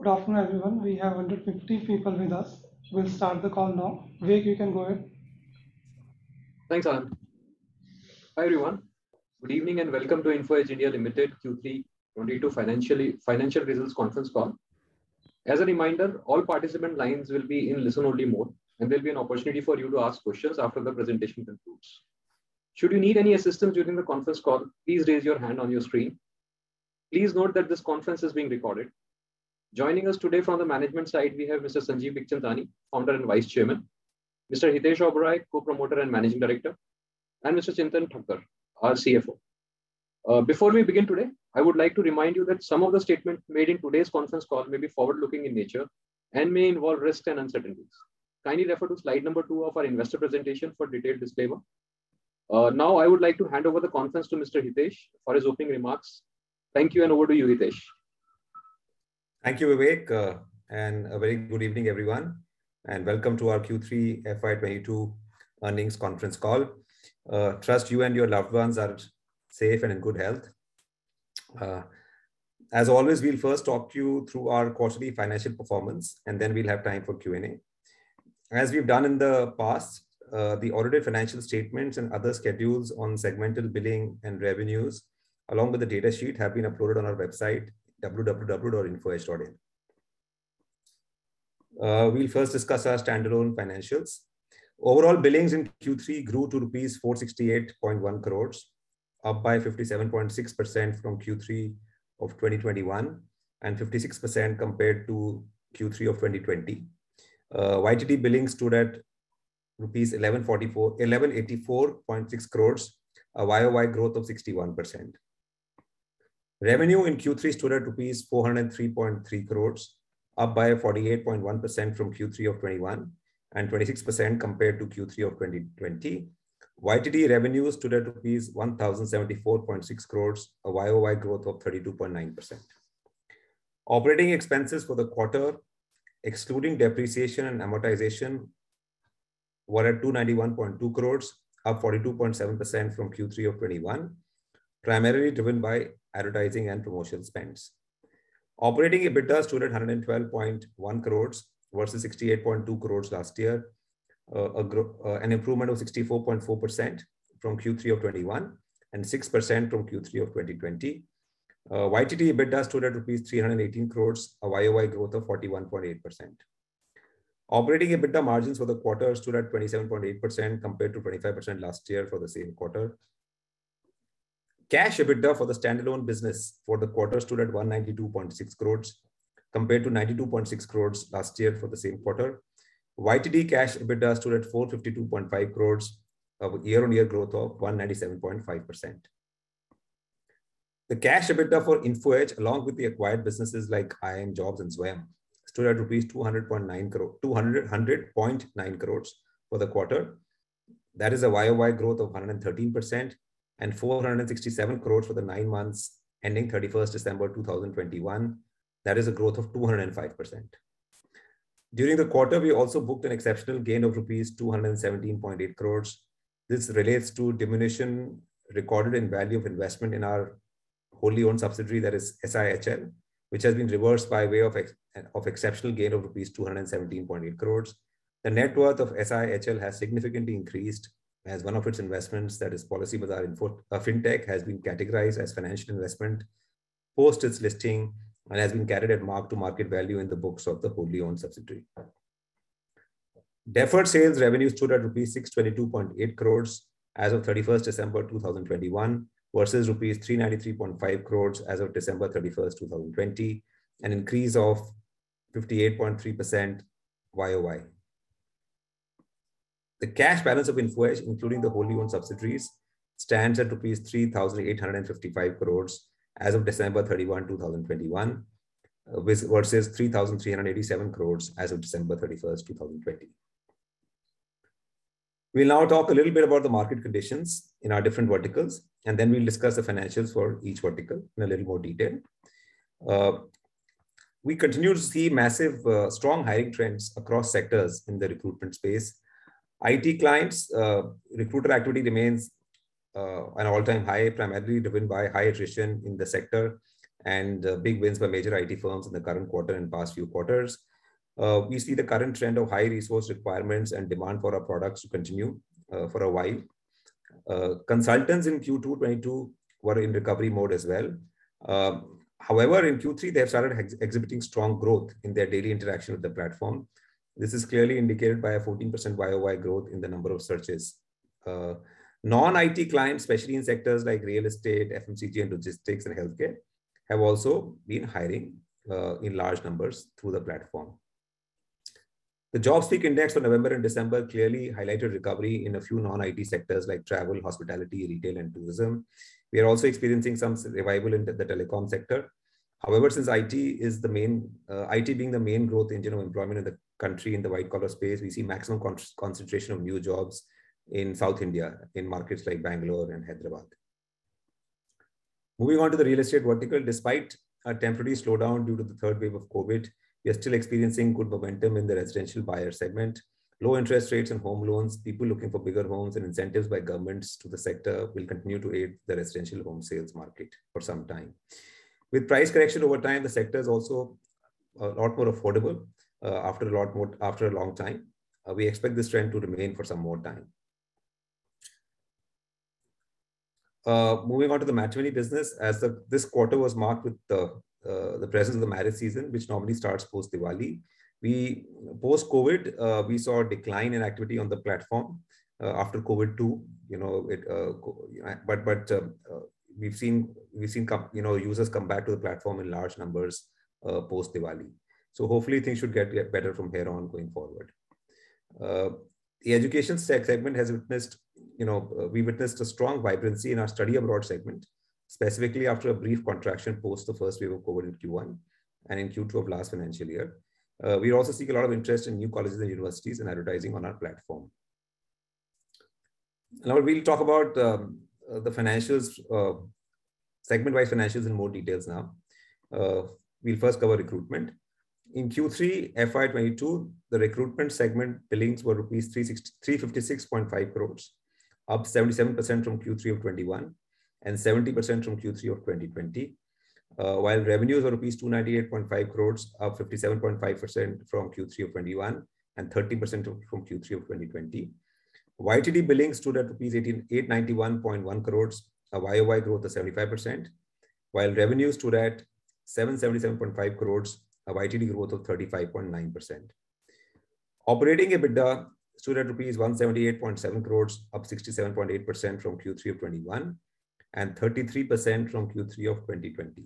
Good afternoon, everyone. We have 150 people with us. We'll start the call now. Vivek, you can go ahead. Thanks, Anand. Hi, everyone. Good evening and welcome to Info Edge (India) Limited Q3 FY22 financial results conference call. As a reminder, all participant lines will be in listen-only mode, and there'll be an opportunity for you to ask questions after the presentation concludes. Should you need any assistance during the conference call, please raise your hand on your screen. Please note that this conference is being recorded. Joining us today from the management side we have Mr. Sanjeev Bikhchandani, Founder and Vice Chairman, Mr. Hitesh Oberoi, Co-Promoter and Managing Director, and Mr. Chintan Thakkar, our CFO. Before we begin today, I would like to remind you that some of the statements made in today's conference call may be forward-looking in nature and may involve risks and uncertainties. Kindly refer to slide number two of our investor presentation for detailed disclaimer. Now I would like to hand over the conference to Mr. Hitesh for his opening remarks. Thank you and over to you, Hitesh. Thank you, Vivek. And a very good evening, everyone, and welcome to our Q3 FY 2022 earnings conference call. Trust you and your loved ones are safe and in good health. As always, we'll first talk to you through our quarterly financial performance, and then we'll have time for Q&A. As we've done in the past, the audited financial statements and other schedules on segmental billing and revenues, along with the data sheet, have been uploaded on our website, www.infoedge.in. We'll first discuss our standalone financials. Overall billings in Q3 grew to rupees 468.1 crores, up by 57.6% from Q3 of 2021, and 56% compared to Q3 of 2020. YTD billings stood at rupees 1,184.6 crores, a YoY growth of 61%. Revenue in Q3 stood at rupees 403.3 crores, up by 48.1% from Q3 of 2021, and 26% compared to Q3 of 2020. YTD revenue stood at rupees 1,074.6 crores, a YoY growth of 32.9%. Operating expenses for the quarter, excluding depreciation and amortization, were at 291.2 crores, up 42.7% from Q3 of 2021, primarily driven by advertising and promotion spends. Operating EBITDA stood at 112.1 crores versus 68.2 crores last year, an improvement of 64.4% from Q3 of 2021, and 6% from Q3 of 2020. YTD EBITDA stood at 318 crores, a YoY growth of 41.8%. Operating EBITDA margins for the quarter stood at 27.8% compared to 25% last year for the same quarter. Cash EBITDA for the standalone business for the quarter stood at 192.6 crores compared to 92.6 crores last year for the same quarter. YTD cash EBITDA stood at 452.5 crores, a year-on-year growth of 197.5%. The cash EBITDA for Info Edge, along with the acquired businesses like iimjobs and Zwayam, stood at rupees 200.9 crores for the quarter. That is a YoY growth of 113%, and 467 crores for the nine months ending 31 December 2021. That is a growth of 205%. During the quarter, we also booked an exceptional gain of rupees 217.8 crores. This relates to diminution recorded in value of investment in our wholly owned subsidiary, that is SIHL, which has been reversed by way of exceptional gain of rupees 217.8 crores. The net worth of SIHL has significantly increased as one of its investments, that is Policybazaar, PB Fintech, has been categorized as financial investment post its listing and has been carried at mark-to-market value in the books of the wholly owned subsidiary. Deferred sales revenue stood at rupees 622.8 crores as of 31st December 2021 versus rupees 393.5 crores as of 31st December 2020, an increase of 58.3% YoY. The cash balance of Info Edge, including the wholly owned subsidiaries, stands at rupees 3,855 crores as of 31st December 2021, versus 3,387 crores as of 31st December 2020. We'll now talk a little bit about the market conditions in our different verticals, and then we'll discuss the financials for each vertical in a little more detail. We continue to see massive strong hiring trends across sectors in the recruitment space. IT clients recruiter activity remains an all-time high, primarily driven by high attrition in the sector and big wins by major IT firms in the current quarter and past few quarters. We see the current trend of high resource requirements and demand for our products to continue for a while. Consultants in Q2 2022 were in recovery mode as well. However, in Q3, they have started exhibiting strong growth in their daily interaction with the platform. This is clearly indicated by a 14% YoY growth in the number of searches. Non-IT clients, especially in sectors like real estate, FMCG and logistics and healthcare, have also been hiring in large numbers through the platform. The JobSpeak Index for November and December clearly highlighted recovery in a few non-IT sectors like travel, hospitality, retail and tourism. We are also experiencing some revival in the telecom sector. However, IT being the main growth engine of employment in the country in the white collar space, we see maximum concentration of new jobs in South India in markets like Bangalore and Hyderabad. Moving on to the real estate vertical. Despite a temporary slowdown due to the third wave of COVID, we are still experiencing good momentum in the residential buyer segment. Low interest rates and home loans, people looking for bigger homes and incentives by governments to the sector will continue to aid the residential home sales market for some time. With price correction over time, the sector is also a lot more affordable after a long time. We expect this trend to remain for some more time. Moving on to the matrimony business. This quarter was marked with the presence of the marriage season, which normally starts post-Diwali. Post-COVID, we saw a decline in activity on the platform. After COVID too, you know, it. But we've seen come. You know, users come back to the platform in large numbers post-Diwali. Hopefully things should get better from here on going forward. The education segment has witnessed, you know, we witnessed a strong vibrancy in our Study Abroad segment, specifically after a brief contraction post the first wave of COVID in Q1 and Q2 of last financial year. We also saw a lot of interest in new colleges and universities advertising on our platform. Now we'll talk about the financials, segment-wide financials in more details now. We'll first cover recruitment. In Q3 FY 2022, the recruitment segment billings were rupees 356.5 crores, up 77% from Q3 of 2021, and 70% from Q3 of 2020. While revenues were rupees 298.5 crores, up 57.5% from Q3 of 2021, and 30% from Q3 of 2020. YTD billings stood at rupees 891.1 crores, a YoY growth of 75%, while revenues stood at 777.5 crores, a YTD growth of 35.9%. Operating EBITDA stood at 178.7 crores rupee, up 67.8% from Q3 of 2021, and 33% from Q3 of 2020.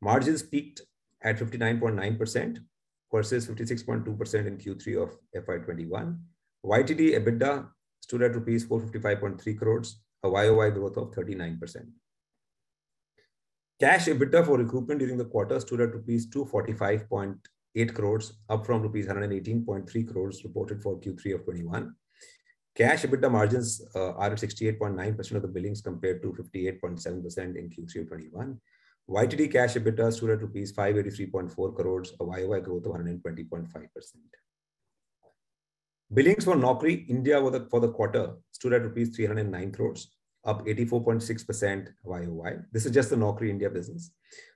Margins peaked at 59.9% versus 56.2% in Q3 of FY 2021. YTD EBITDA stood at 455.3 crores rupees, a YoY growth of 39%. Cash EBITDA for recruitment during the quarter stood at rupees 245.8 crores, up from rupees 118.3 crores reported for Q3 of 2021. Cash EBITDA margins are at 68.9% of the billings, compared to 58.7% in Q3 of 2021. YTD cash EBITDA stood at 583.4 crores, a YoY growth of 120.5%. Billings for Naukri India for the quarter stood at rupees 309 crores, up 84.6% YoY. This is just the Naukri India business.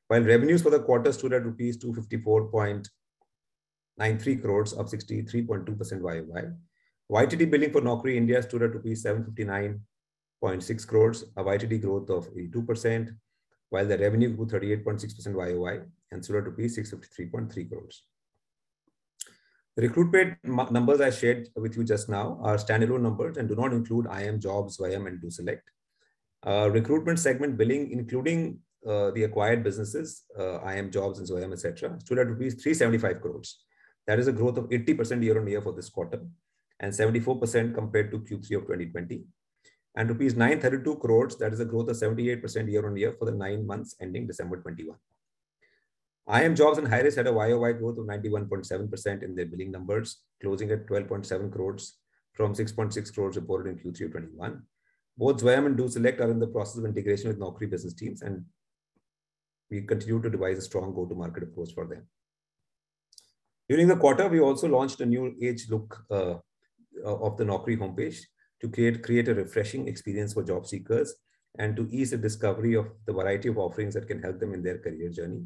While revenues for the quarter stood at rupees 254.93 crores, up 63.2% YoY. YTD billing for Naukri India stood at rupees 759.6 crores, a YTD growth of 82%, while the revenue grew 38.6% YoY and stood at 653.3 crores. Recruitment numbers I shared with you just now are standalone numbers and do not include iimjobs, Zwayam, and DoSelect. Recruitment segment billing, including the acquired businesses, iimjobs and Zwayam, etc., stood at 375 crores. That is a growth of 80% year-on-year for this quarter, and 74% compared to Q3 of 2020. Rupees 932 crores, that is a growth of 78% year-on-year for the nine months ending December 2021. iimjobs and Hirist had a YoY growth of 91.7% in their billing numbers, closing at 12.7 crores from 6.6 crores reported in Q3 of 2021. Both Zwayam and DoSelect are in the process of integration with Naukri business teams, and we continue to devise a strong go-to-market approach for them. During the quarter, we also launched a new age look of the Naukri homepage to create a refreshing experience for job seekers and to ease the discovery of the variety of offerings that can help them in their career journey.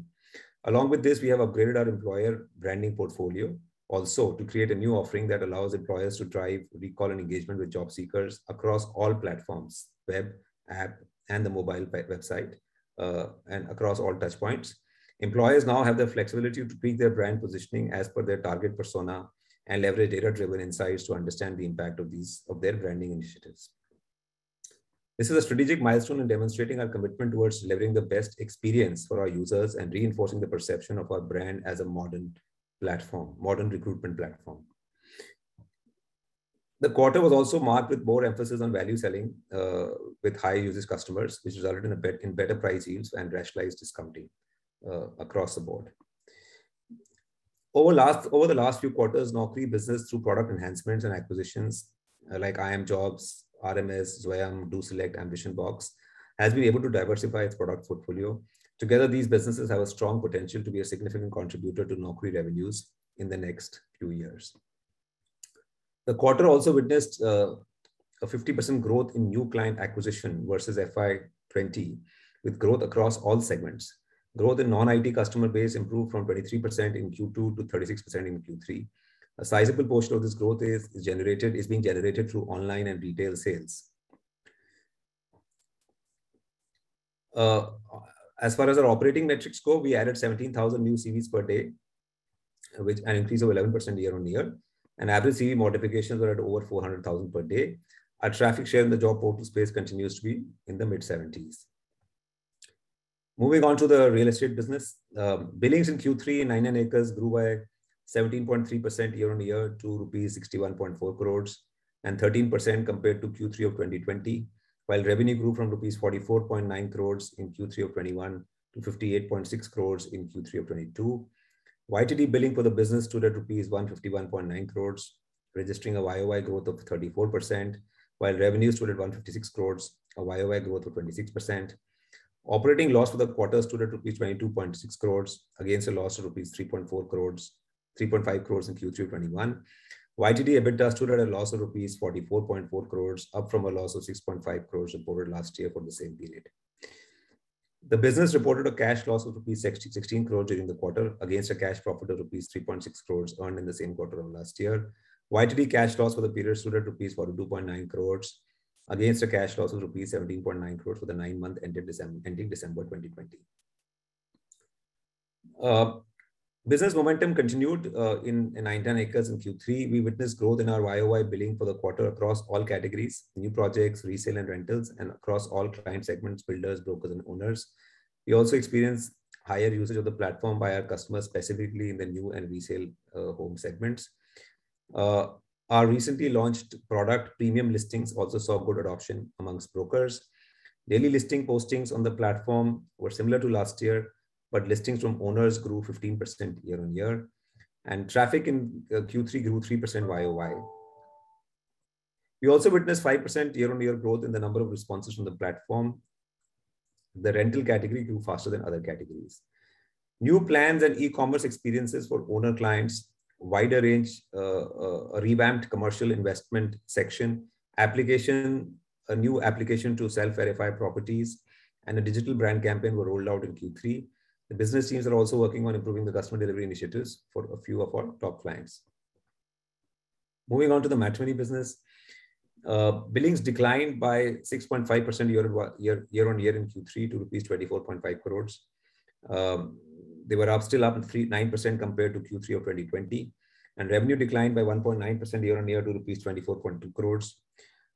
Along with this, we have upgraded our employer branding portfolio also to create a new offering that allows employers to drive recall and engagement with job seekers across all platforms, web, app, and the mobile website, and across all touch points. Employers now have the flexibility to pick their brand positioning as per their target persona and leverage data-driven insights to understand the impact of their branding initiatives. This is a strategic milestone in demonstrating our commitment towards delivering the best experience for our users and reinforcing the perception of our brand as a modern recruitment platform. The quarter was also marked with more emphasis on value selling with high usage customers, which resulted in better price yields and rationalized discounting across the board. Over the last few quarters, Naukri business, through product enhancements and acquisitions like iimjobs, RMS, Zwayam, DoSelect, AmbitionBox, has been able to diversify its product portfolio. Together, these businesses have a strong potential to be a significant contributor to Naukri revenues in the next few years. The quarter also witnessed a 50% growth in new client acquisition versus FY 2020, with growth across all segments. Growth in non-IT customer base improved from 23% in Q2 to 36% in Q3. A sizable portion of this growth is being generated through online and retail sales. As far as our operating metrics go, we added 17,000 new CVs per day, which is an increase of 11% year-over-year. Average CV modifications were at over 400,000 per day. Our traffic share in the job portal space continues to be in the mid-70s%. Moving on to the real estate business. Billings in Q3 in 99 acres grew by 17.3% year-over-year to rupees 61.4 crores, and 13% compared to Q3 of 2020. Revenue grew from rupees 44.9 crores in Q3 of 2021 to 58.6 crores in Q3 of 2022. YTD billing for the business stood at rupees 151.9 crores, registering a YoY growth of 34%, while revenues stood at 156 crores, a YoY growth of 26%. Operating loss for the quarter stood at INR 22.6 crores against a loss of 3.5 crores in Q3 of 2021. YTD EBITDA stood at a loss of rupees 44.4 crores, up from a loss of 6.5 crores reported last year for the same period. The business reported a cash loss of rupees 16 crore during the quarter against a cash profit of rupees 3.6 crores earned in the same quarter of last year. YTD cash loss for the period stood at rupees 42.9 crores against a cash loss of rupees 17.9 crores for the nine-month ended December 2020. Business momentum continued in 99 acres in Q3. We witnessed growth in our YOY billing for the quarter across all categories, new projects, resale and rentals, and across all client segments, builders, brokers and owners. We also experienced higher usage of the platform by our customers, specifically in the new and resale home segments. Our recently launched product, Premium Listings, also saw good adoption among brokers. Daily listing postings on the platform were similar to last year, but listings from owners grew 15% year-on-year, and traffic in Q3 grew 3% YOY. We also witnessed 5% year-on-year growth in the number of responses from the platform. The rental category grew faster than other categories. New plans and e-commerce experiences for owner clients, wider range, a revamped commercial investment section, a new application to self-verify properties, and a digital brand campaign were rolled out in Q3. The business teams are also working on improving the customer delivery initiatives for a few of our top clients. Moving on to the Matrimony business. Billings declined by 6.5% year-on-year in Q3 to rupees 24.5 crores. They were still up 9% compared to Q3 of 2020. Revenue declined by 1.9% year-on-year to rupees 24.2 crores.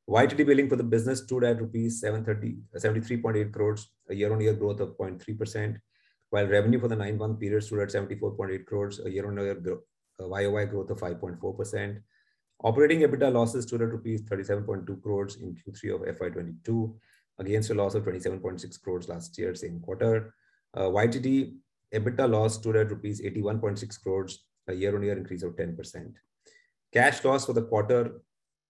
YTD billing for the business stood at rupees 73.8 crores, a year-on-year growth of 0.3%, while revenue for the nine-month period stood at 74.8 crores, a YOY growth of 5.4%. Operating EBITDA losses stood at rupees 37.2 crores in Q3 of FY 2022, against a loss of 27.6 crores last year same quarter. YTD EBITDA loss stood at rupees 81.6 crores, a year-over-year increase of 10%. Cash loss for the quarter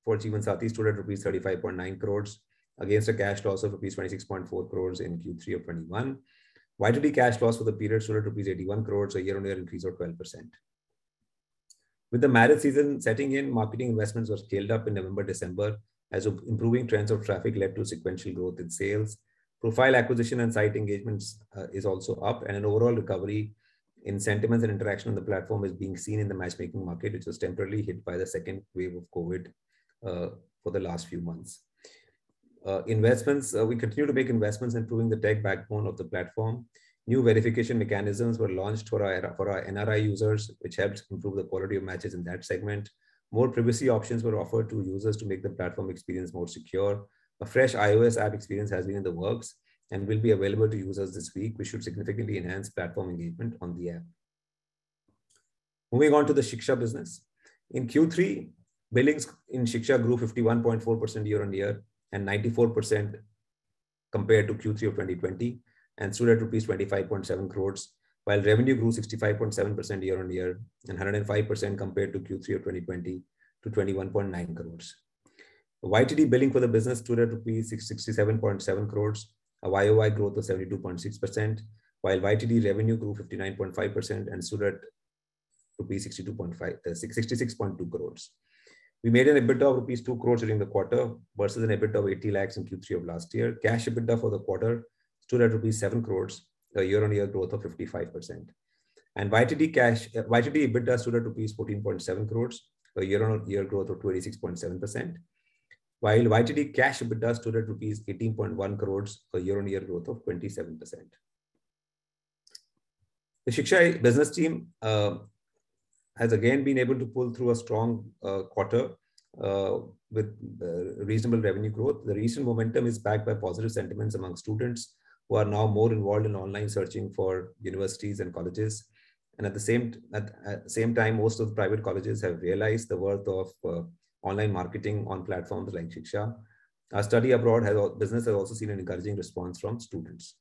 for Jeevansathi stood at rupees 35.9 crores against a cash loss of rupees 26.4 crores in Q3 of 2021. YTD cash loss for the period stood at rupees 81 crores, a year-over-year increase of 12%. With the marriage season setting in, marketing investments were scaled up in November, December, as improving trends of traffic led to sequential growth in sales. Profile acquisition and site engagements is also up, and an overall recovery in sentiments and interaction on the platform is being seen in the matchmaking market, which was temporarily hit by the second wave of COVID for the last few months. We continue to make investments in improving the tech backbone of the platform. New verification mechanisms were launched for our NRI users, which helped improve the quality of matches in that segment. More privacy options were offered to users to make the platform experience more secure. A fresh iOS app experience has been in the works and will be available to users this week, which should significantly enhance platform engagement on the app. Moving on to the Shiksha business. In Q3, billings in Shiksha grew 51.4% year-on-year, and 94% compared to Q3 of 2020, and stood at rupees 25.7 crores, while revenue grew 65.7% year-on-year and 105% compared to Q3 of 2020 to 21.9 crores. YTD billing for the business stood at rupees 67.7 crores, a YOY growth of 72.6%, while YTD revenue grew 59.5% and stood at 66.2 crores. We made an EBITDA of rupees 2 crores during the quarter versus an EBITDA of 80 lakhs in Q3 of last year. Cash EBITDA for the quarter stood at rupees 7 crores, a year-on-year growth of 55%. YTD EBITDA stood at rupees 14.7 crores, a year-on-year growth of 26.7%, while YTD cash EBITDA stood at rupees 18.1 crores, a year-on-year growth of 27%. The Shiksha business team has again been able to pull through a strong quarter with reasonable revenue growth. The recent momentum is backed by positive sentiments among students who are now more involved in online searching for universities and colleges. At the same time, most of the private colleges have realized the worth of online marketing on platforms like Shiksha. Our Study Abroad business has also seen an encouraging response from students.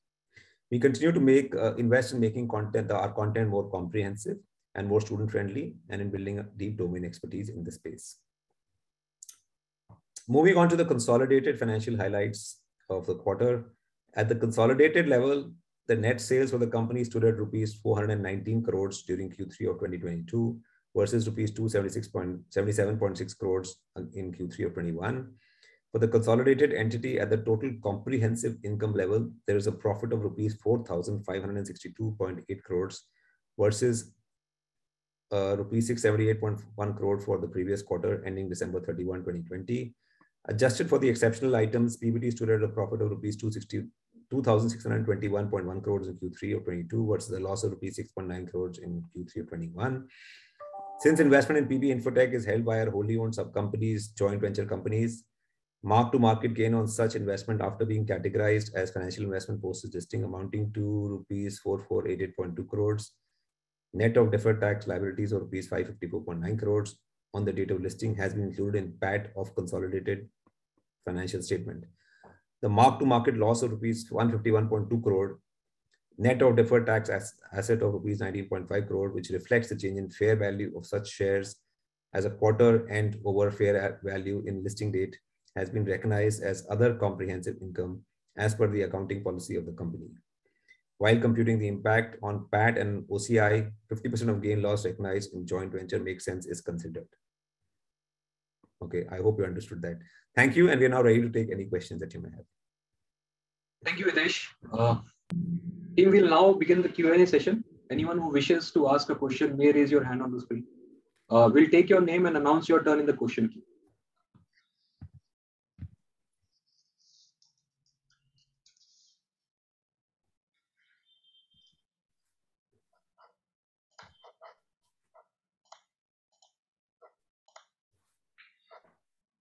We continue to invest in making our content more comprehensive and more student-friendly, and in building up deep domain expertise in this space. Moving on to the consolidated financial highlights of the quarter. At the consolidated level, the net sales for the company stood at rupees 419 crores during Q3 of 2022 versus rupees 277.6 crores in Q3 of 2021. For the consolidated entity at the total comprehensive income level, there is a profit of rupees 4,562.8 crore versus rupees 678.1 crore for the previous quarter ending 31st December 2020. Adjusted for the exceptional items, PBT stood at a profit of rupees 2,621.1 crore in Q3 of 2022 versus a loss of rupees 6.9 crore in Q3 of 2021. Since investment in PB Fintech is held by our wholly owned sub-companies, joint venture companies, mark-to-market gain on such investment after being categorized as financial investment posts as distinct amounting to rupees 4,488.2 crore. Net of deferred tax liabilities of rupees 552.9 crore on the date of listing has been included in PAT of consolidated financial statement. The mark-to-market loss of rupees 151.2 crore net of deferred tax asset of rupees 19.5 crore, which reflects the change in fair value of such shares as of quarter-end over fair value in listing date, has been recognized as other comprehensive income as per the accounting policy of the company. While computing the impact on PAT and OCI, 50% of gain loss recognized in joint venture Makesense is considered. Okay, I hope you understood that. Thank you, and we are now ready to take any questions that you may have. Thank you, Hitesh. Team will now begin the Q&A session. Anyone who wishes to ask a question may raise your hand on the screen. We'll take your name and announce your turn in the question queue.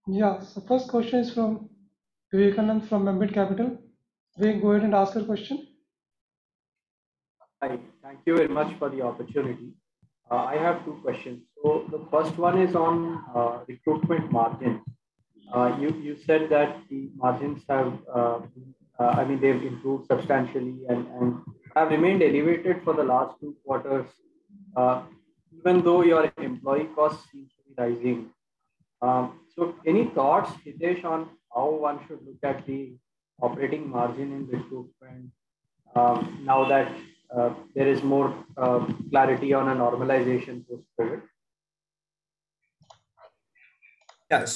Yeah. First question is from Vivekananda from Ambit Capital. Please go ahead and ask your question. Hi. Thank you very much for the opportunity. I have two questions. The first one is on recruitment margins. You said that the margins, I mean, they've improved substantially and have remained elevated for the last two quarters, even though your employee costs seem to be rising. Any thoughts, Hitesh, on how one should look at the operating margin in recruitment, now that there is more clarity on a normalization post-COVID? Yeah.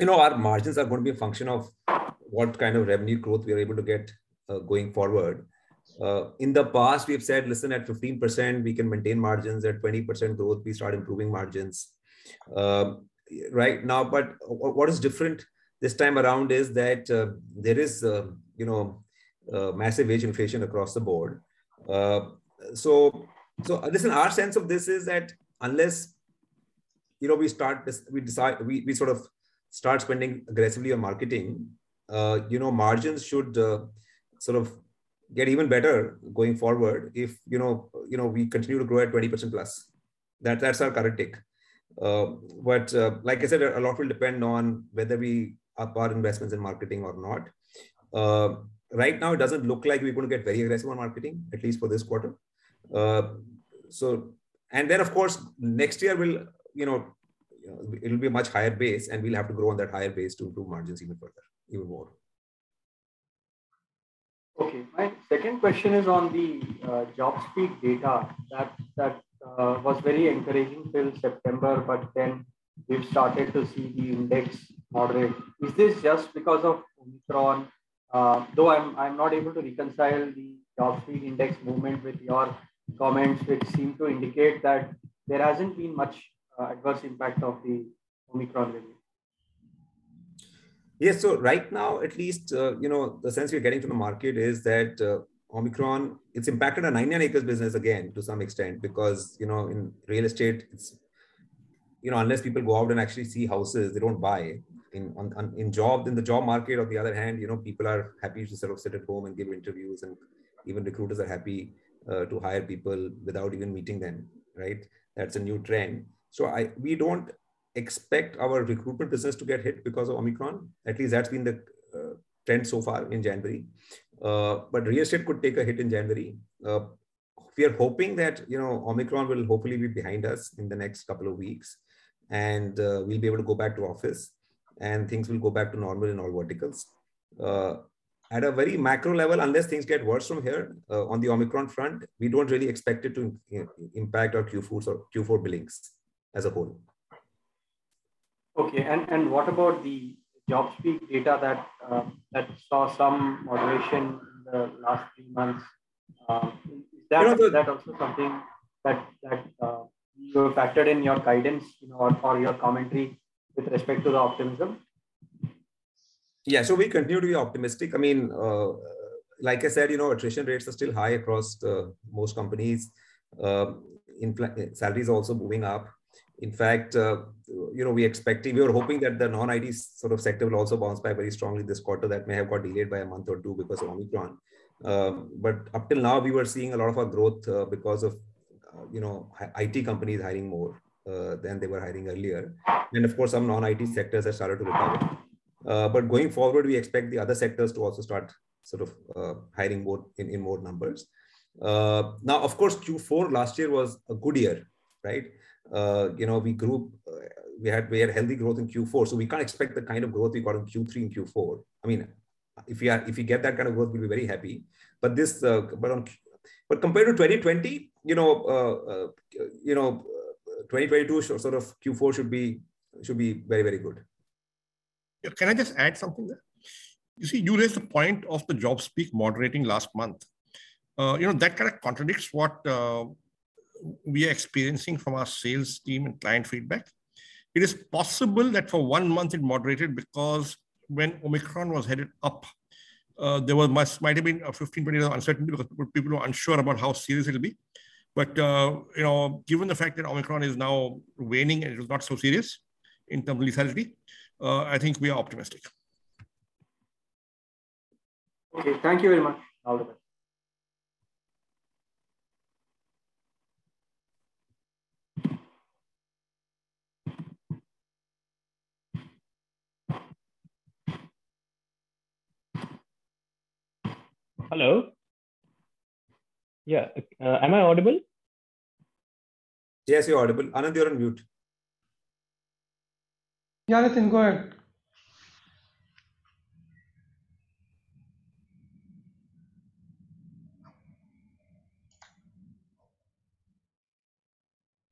You know, our margins are gonna be a function of what kind of revenue growth we are able to get going forward. In the past we have said, "Listen, at 15% we can maintain margins. At 20% growth, we start improving margins." Right now what is different this time around is that there is you know massive wage inflation across the board. Listen, our sense of this is that unless you know we sort of start spending aggressively on marketing you know margins should sort of get even better going forward if you know we continue to grow at 20%+. That's our current take. Like I said, a lot will depend on whether we up our investments in marketing or not. Right now it doesn't look like we're gonna get very aggressive on marketing, at least for this quarter. Of course, next year we'll, you know, it'll be a much higher base, and we'll have to grow on that higher base to improve margins even further, even more. Okay. My second question is on the JobSpeak data that was very encouraging till September, but then we've started to see the index moderate. Is this just because of Omicron? Though I'm not able to reconcile the JobSpeak index movement with your comments, which seem to indicate that there hasn't been much adverse impact of the Omicron wave. Yeah. Right now, at least, you know, the sense we are getting from the market is that Omicron, it's impacted our 99 acres business again to some extent because, you know, in real estate it's, you know, unless people go out and actually see houses, they don't buy. In jobs, in the job market on the other hand, you know, people are happy to sort of sit at home and give interviews, and even recruiters are happy to hire people without even meeting them, right? That's a new trend. We don't expect our recruitment business to get hit because of Omicron. At least that's been the trend so far in January. But real estate could take a hit in January. We are hoping that, you know, Omicron will hopefully be behind us in the next couple of weeks and, we'll be able to go back to office and things will go back to normal in all verticals. At a very macro level, unless things get worse from here, on the Omicron front, we don't really expect it to, you know, impact our Q4s or Q4 billings as a whole. Okay. What about the JobSpeak data that saw some moderation in the last three months? Is that You know. Is that also something that you have factored in your guidance, you know, or your commentary with respect to the optimism? Yeah. We continue to be optimistic. I mean, like I said, you know, attrition rates are still high across most companies. Salaries are also moving up. In fact, you know, we were hoping that the non-IT sort of sector will also bounce back very strongly this quarter. That may have got delayed by a month or two because of Omicron. Up till now we were seeing a lot of our growth because of you know, IT companies hiring more than they were hiring earlier. Of course, some non-IT sectors have started to recover. Going forward, we expect the other sectors to also start sort of hiring more, in more numbers. Now of course, Q4 last year was a good year, right? You know, we grew, we had healthy growth in Q4, so we can't expect the kind of growth we got in Q3 and Q4. I mean, if we get that kind of growth, we'll be very happy. Compared to 2020, you know, 2022 sort of Q4 should be very good. Yeah. Can I just add something there? You see, you raised the point of the JobSpeak moderating last month. You know, that kind of contradicts what we are experiencing from our sales team and client feedback. It is possible that for one month it moderated because when Omicron was headed up, there might have been 15, 20 days of uncertainty because people were unsure about how serious it'll be. You know, given the fact that Omicron is now waning and it was not so serious in terms of lethality, I think we are optimistic. Okay. Thank you very much. Over. Hello? Yeah. Am I audible? Yes, you're audible. Anand, you're on mute. Yeah, Nitin, go ahead.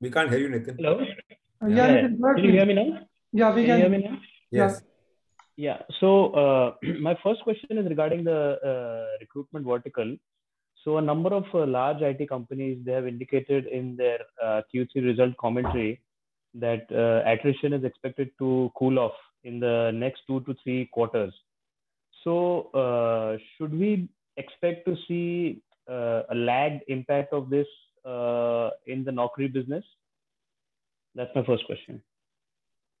We can't hear you, Nitin. Hello? Yeah, we can hear. Can you hear me now? Yeah, we can. Can you hear me now? Yes. My first question is regarding the recruitment vertical. A number of large IT companies have indicated in their Q3 result commentary that attrition is expected to cool off in the next 2-3 quarters. Should we expect to see a lagged impact of this in the Naukri business? That's my first question.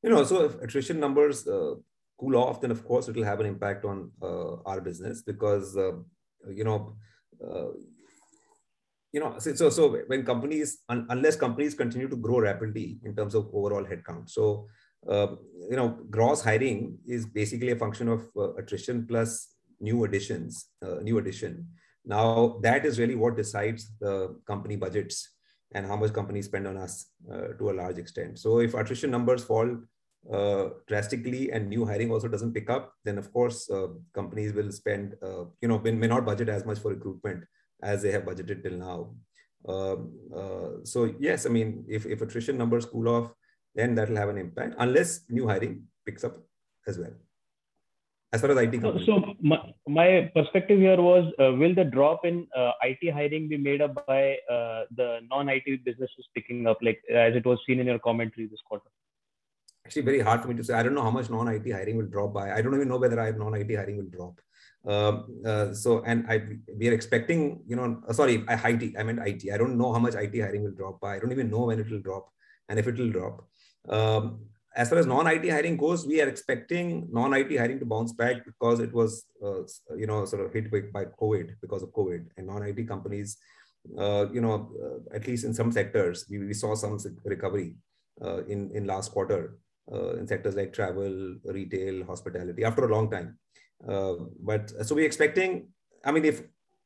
You know, if attrition numbers cool off, then of course it'll have an impact on our business because you know, unless companies continue to grow rapidly in terms of overall headcount. Gross hiring is basically a function of attrition plus new additions. Now, that is really what decides the company budgets and how much companies spend on us to a large extent. If attrition numbers fall drastically and new hiring also doesn't pick up, then of course companies may not budget as much for recruitment as they have budgeted till now. Yes, I mean, if attrition numbers cool off, then that'll have an impact, unless new hiring picks up as well. As far as IT companies My perspective here was, will the drop in IT hiring be made up by the non-IT businesses picking up, like, as it was seen in your commentary this quarter? Actually very hard for me to say. I don't know how much non-IT hiring will drop by. I don't even know whether non-IT hiring will drop. I don't know how much IT hiring will drop by. I don't even know when it will drop and if it will drop. As far as non-IT hiring goes, we are expecting non-IT hiring to bounce back because it was sort of hit big by COVID, because of COVID. Non-IT companies, at least in some sectors, we saw some recovery in last quarter in sectors like travel, retail, hospitality, after a long time. We're expecting. I mean, if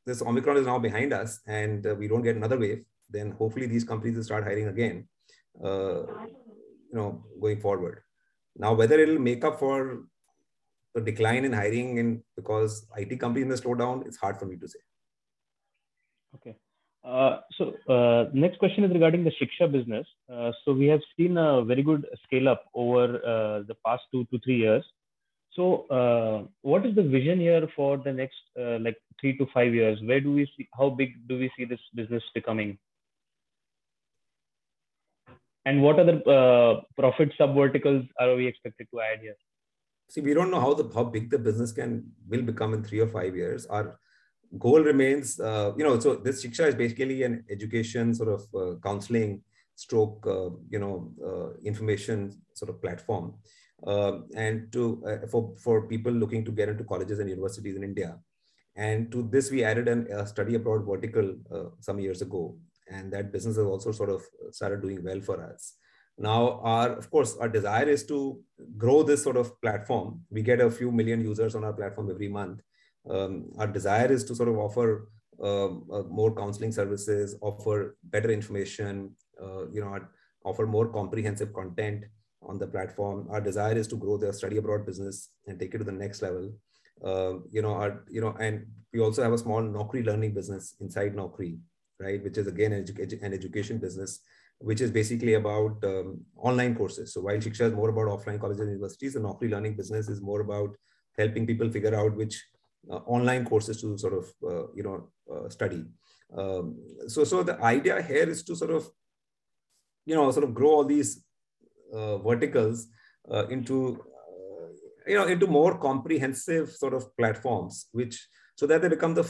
this Omicron is now behind us and we don't get another wave, then hopefully these companies will start hiring again, you know, going forward. Now, whether it'll make up for the decline in hiring because IT companies have slowed down, it's hard for me to say. Okay. Next question is regarding the Shiksha business. We have seen a very good scale-up over the past 2-3 years. What is the vision here for the next, like, 3-5 years? How big do we see this business becoming? And what other profitable subverticals are we expected to add here? See, we don't know how big the business will become in three or five years. Our goal remains. You know, this Shiksha is basically an education sort of, counseling stroke, information sort of platform for people looking to get into colleges and universities in India. To this, we added a Study Abroad vertical some years ago, and that business has also sort of started doing well for us. Now, of course, our desire is to grow this sort of platform. We get a few million users on our platform every month. Our desire is to sort of offer more counseling services, offer better information, you know, offer more comprehensive content on the platform. Our desire is to grow the Study Abroad business and take it to the next level. We also have a small Naukri Learning business inside Naukri, right? Which is again an education business, which is basically about online courses. While Shiksha is more about offline colleges and universities, the Naukri Learning business is more about helping people figure out which online courses to sort of you know study. The idea here is to sort of you know sort of grow all these verticals into you know into more comprehensive sort of platforms, which so that they become the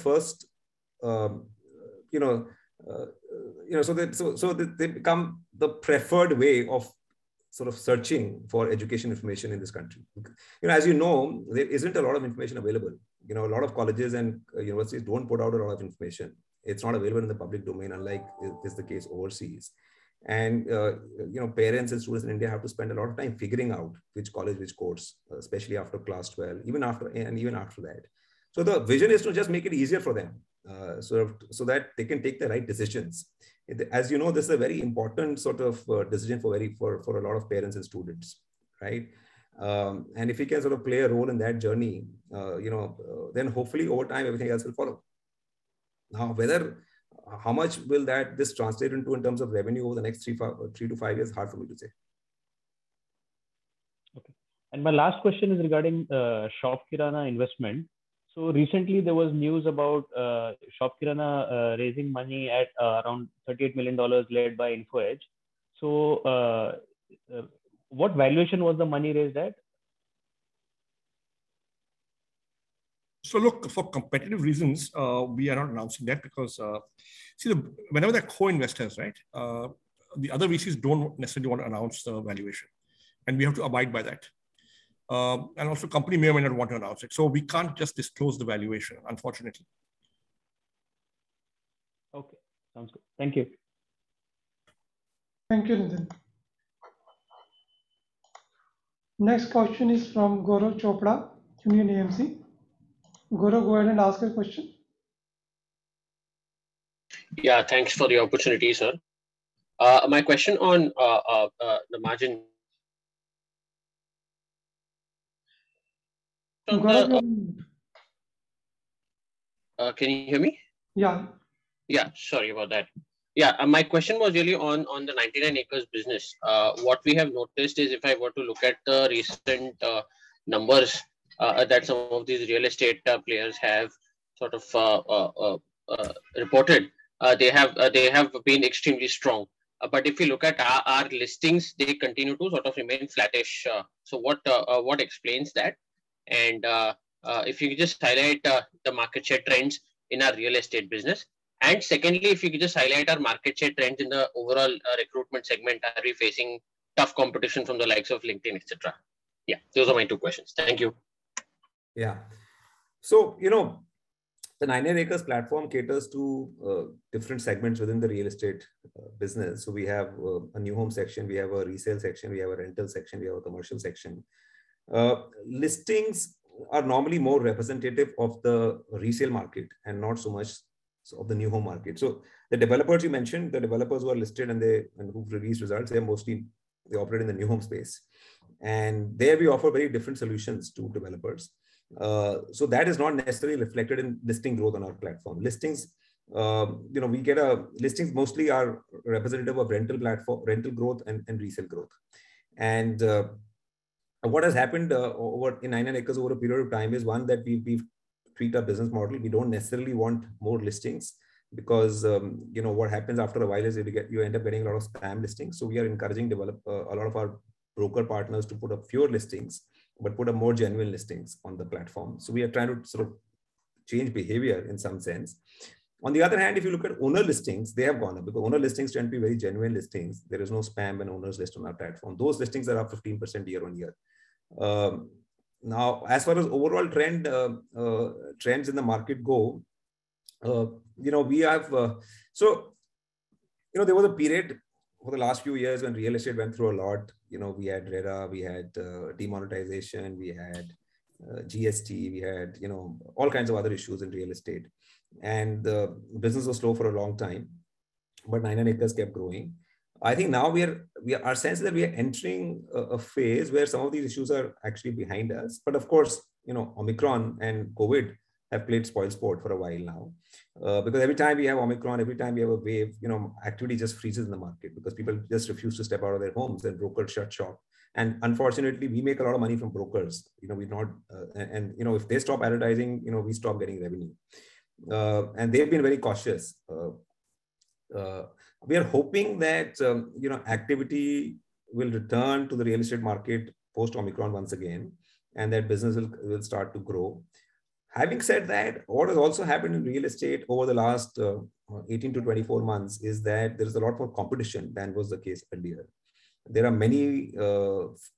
preferred way of sort of searching for education information in this country. You know, as you know, there isn't a lot of information available. You know, a lot of colleges and universities don't put out a lot of information. It's not available in the public domain, unlike the case overseas. Parents and students in India have to spend a lot of time figuring out which college, which course, especially after class 12, even after that. The vision is to just make it easier for them, sort of so that they can take the right decisions. As you know, this is a very important sort of decision for a lot of parents and students, right? If we can sort of play a role in that journey, you know, then hopefully over time everything else will follow. Now, whether How much will this translate into in terms of revenue over the next three to five years? Hard for me to say. Okay. My last question is regarding ShopKirana investment. Recently there was news about ShopKirana raising money at around $38 million led by Info Edge. What valuation was the money raised at? Look, for competitive reasons, we are not announcing that because, whenever there are co-investors, right, the other VCs don't necessarily want to announce the valuation, and we have to abide by that. And also company may or may not want to announce it. We can't just disclose the valuation, unfortunately. Okay. Sounds good. Thank you. Thank you, Nitin. Next question is from Gaurav Chopra, Union AMC. Gaurav, go ahead and ask your question. Yeah, thanks for the opportunity, sir. My question on the margin Tanak, Can you hear me? Yeah. Yeah, sorry about that. Yeah. My question was really on the 99 acres business. What we have noticed is if I were to look at the recent numbers that some of these real estate players have sort of reported, they have been extremely strong. If you look at our listings, they continue to sort of remain flattish. What explains that? If you could just highlight the market share trends in our real estate business. Secondly, if you could just highlight our market share trends in the overall recruitment segment. Are we facing tough competition from the likes of LinkedIn, et cetera? Yeah. Those are my two questions. Thank you. Yeah. You know, the 99 acres platform caters to different segments within the real estate business. We have a new home section, we have a resale section, we have a rental section, we have a commercial section. Listings are normally more representative of the resale market and not so much of the new home market. The developers you mentioned who are listed and they've released results, they're mostly they operate in the new home space. There we offer very different solutions to developers. That is not necessarily reflected in listing growth on our platform. Listings mostly are representative of rental growth and resale growth. What has happened over in 99 acres over a period of time is, one, that we've tweaked our business model. We don't necessarily want more listings because, you know, what happens after a while is you end up getting a lot of spam listings. We are encouraging a lot of our broker partners to put up fewer listings, but put up more genuine listings on the platform. We are trying to sort of change behavior in some sense. On the other hand, if you look at owner listings, they have gone up because owner listings tend to be very genuine listings. There is no spam in owners list on our platform. Those listings are up 15% year-on-year. Now, as far as trends in the market go, you know, we have. You know, there was a period over the last few years when real estate went through a lot. You know, we had RERA, we had demonetization, we had GST. We had, you know, all kinds of other issues in real estate. The business was slow for a long time, but 99 acres kept growing. I think now our sense is that we are entering a phase where some of these issues are actually behind us. Of course, you know, Omicron and COVID have played spoilsport for a while now. Because every time we have Omicron, every time we have a wave, you know, activity just freezes in the market because people just refuse to step out of their homes and brokers shut shop. Unfortunately, we make a lot of money from brokers. You know, we're not. You know, if they stop advertising, you know, we stop getting revenue. They've been very cautious. We are hoping that, you know, activity will return to the real estate market post-Omicron once again, and that business will start to grow. Having said that, what has also happened in real estate over the last 18-24 months is that there is a lot more competition than was the case earlier. There are many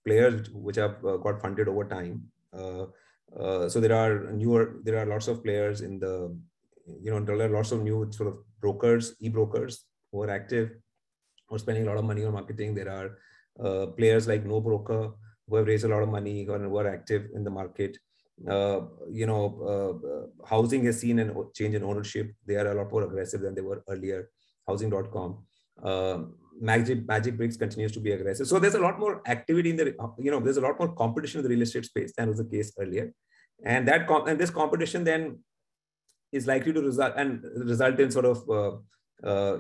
players which have got funded over time. So there are lots of players in the, you know, there are lots of new sort of brokers, e-brokers who are active, who are spending a lot of money on marketing. There are players like NoBroker who have raised a lot of money and who are active in the market. You know, Housing.com has seen a change in ownership. They are a lot more aggressive than they were earlier. Housing.com, Magicbricks continues to be aggressive. There's a lot more activity, you know, there's a lot more competition in the real estate space than was the case earlier. This competition then is likely to result in sort of,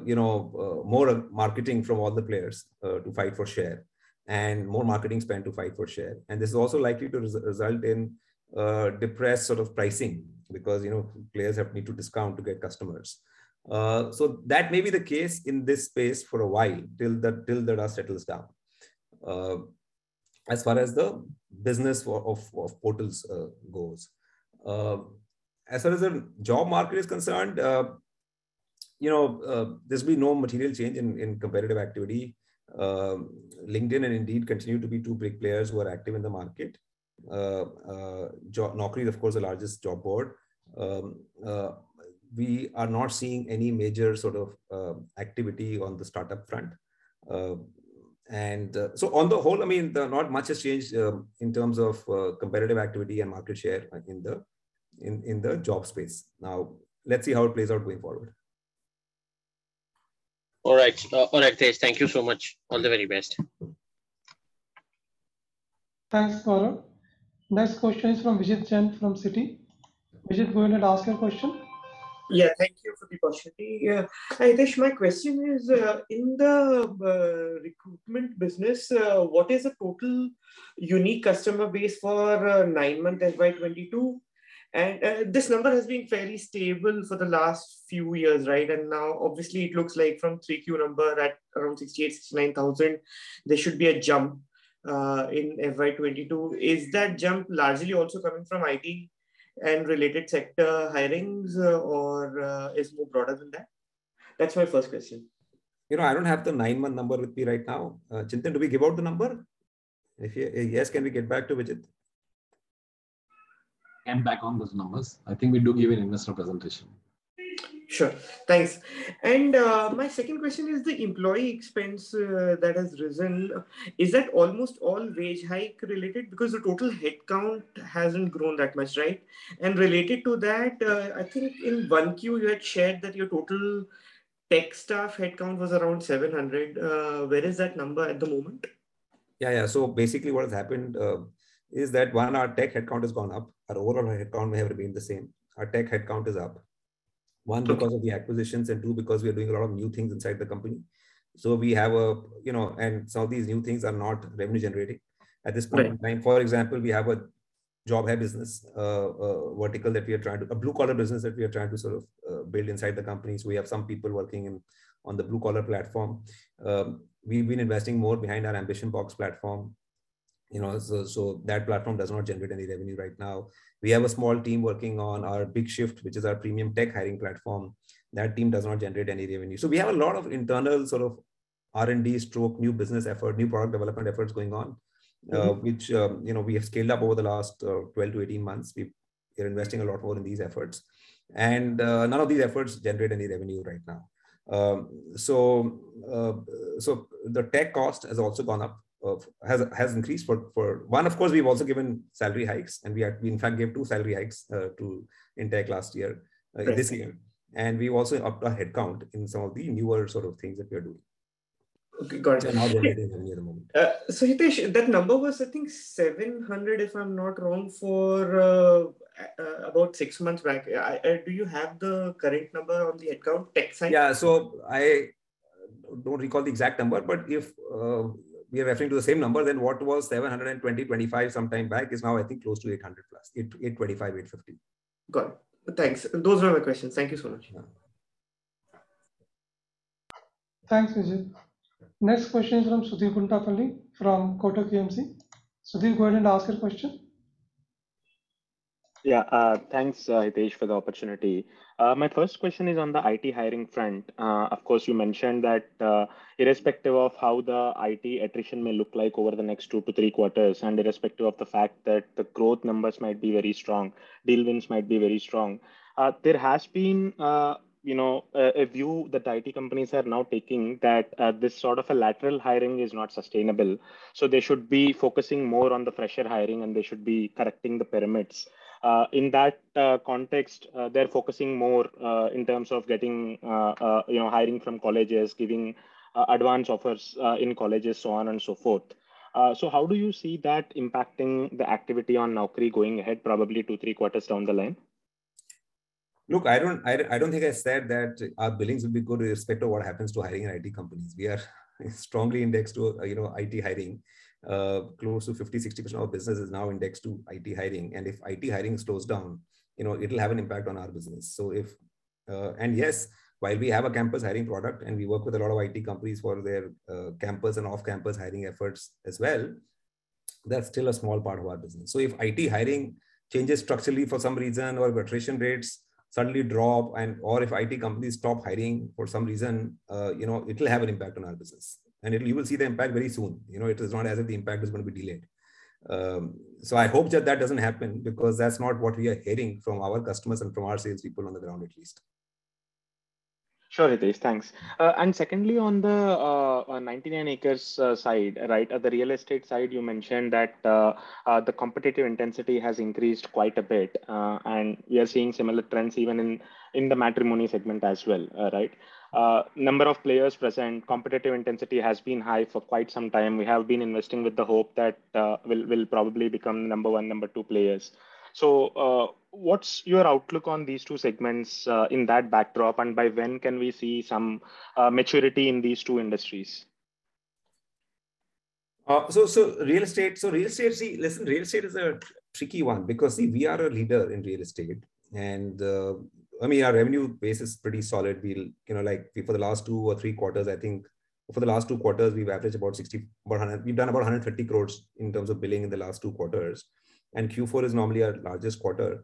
you know, more marketing from all the players to fight for share and more marketing spend to fight for share. This is also likely to result in depressed sort of pricing because, you know, players have need to discount to get customers. That may be the case in this space for a while till the dust settles down, as far as the business of portals goes. As far as the job market is concerned, you know, there's been no material change in competitive activity. LinkedIn and Indeed continue to be two big players who are active in the market. Naukri is, of course, the largest job board. We are not seeing any major sort of activity on the startup front. On the whole, I mean, not much has changed in terms of competitive activity and market share in the job space. Now let's see how it plays out going forward. All right. All right, Hitesh. Thank you so much. All the very best. Thanks, Gaurav. Next question is from Vijit Jain from Citi. Vijit, go ahead and ask your question. Yeah. Thank you for the opportunity. Yeah. Hitesh, my question is, in the recruitment business, what is the total unique customer base for nine months FY 2022? This number has been fairly stable for the last few years, right? Now obviously it looks like from Q3 number at around 68,000-69,000, there should be a jump in FY 2022. Is that jump largely also coming from IT and related sector hirings, or is more broader than that? That's my first question. You know, I don't have the nine-month number with me right now. Chintan, did we give out the number? If yes, can we get back to Vijit? Come back on those numbers. I think we do give an investor presentation. Sure. Thanks. My second question is the employee expense that has risen, is that almost all wage hike related? Because the total headcount hasn't grown that much, right? Related to that, I think in one Q you had shared that your total tech staff headcount was around 700. Where is that number at the moment? Yeah, yeah. Basically what has happened is that, one, our tech headcount has gone up. Our overall headcount may have remained the same. Our tech headcount is up one- Okay because of the acquisitions, and two, because we are doing a lot of new things inside the company. We have a, you know. Some of these new things are not revenue generating at this point in time. Right. For example, we have a job hire business, a vertical that we are trying to sort of build inside the company. We have some people working on the blue collar platform. We've been investing more behind our AmbitionBox platform, you know. That platform does not generate any revenue right now. We have a small team working on our BigShyft, which is our premium tech hiring platform. That team does not generate any revenue. We have a lot of internal sort of R&D stroke new business effort, new product development efforts going on. Mm-hmm which, you know, we have scaled up over the last 12-18 months. We're investing a lot more in these efforts. None of these efforts generate any revenue right now. So the tech cost has also gone up. It has increased. For one, of course, we've also given salary hikes. We in fact gave two salary hikes to entire last year, this year. Right. We've also upped our head count in some of the newer sort of things that we are doing. Okay. Got it. They're not generating any revenue at the moment. Hitesh, that number was, I think, 700, if I'm not wrong, for about six months back. Do you have the correct number on the head count tech side? Yeah. I don't recall the exact number, but if we are referring to the same number, then what was 725 sometime back is now I think close to 800 plus. 825, 850. Got it. Thanks. Those were my questions. Thank you so much. Yeah. Thanks, Vijit. Next question is from Sudheer Guntupalli from Kotak AMC. Sudhir, go ahead and ask your question. Thanks, Hitesh, for the opportunity. My first question is on the IT hiring front. Of course, you mentioned that, irrespective of how the IT attrition may look like over the next 2-3 quarters, and irrespective of the fact that the growth numbers might be very strong, deal wins might be very strong, there has been, you know, a view that IT companies are now taking that this sort of a lateral hiring is not sustainable. So they should be focusing more on the fresher hiring, and they should be correcting the pyramids. In that context, they're focusing more in terms of getting, you know, hiring from colleges, giving advanced offers in colleges, so on and so forth. How do you see that impacting the activity on Naukri going ahead probably two, three quarters down the line? Look, I don't think I said that our billings will be good irrespective of what happens to hiring in IT companies. We are strongly indexed to, you know, IT hiring. Close to 50-60% of our business is now indexed to IT hiring, and if IT hiring slows down, you know, it'll have an impact on our business. Yes, while we have a campus hiring product and we work with a lot of IT companies for their campus and off-campus hiring efforts as well, that's still a small part of our business. If IT hiring changes structurally for some reason or attrition rates suddenly drop and, or if IT companies stop hiring for some reason, you know, it'll have an impact on our business. You'll see the impact very soon. You know, it is not as if the impact is gonna be delayed. I hope that doesn't happen because that's not what we are hearing from our customers and from our sales people on the ground at least. Sure, Hitesh. Thanks. And secondly, on the 99 acres side, right? At the real estate side you mentioned that the competitive intensity has increased quite a bit, and we are seeing similar trends even in the matrimony segment as well, right? Number of players present, competitive intensity has been high for quite some time. We have been investing with the hope that we'll probably become the number one, number two players. What's your outlook on these two segments in that backdrop, and by when can we see some maturity in these two industries? Real estate, see. Listen, real estate is a tricky one because, see, we are a leader in real estate and, I mean, our revenue base is pretty solid. You know, like, for the last two quarters we've done about 150 crore in terms of billing in the last two quarters, and Q4 is normally our largest quarter.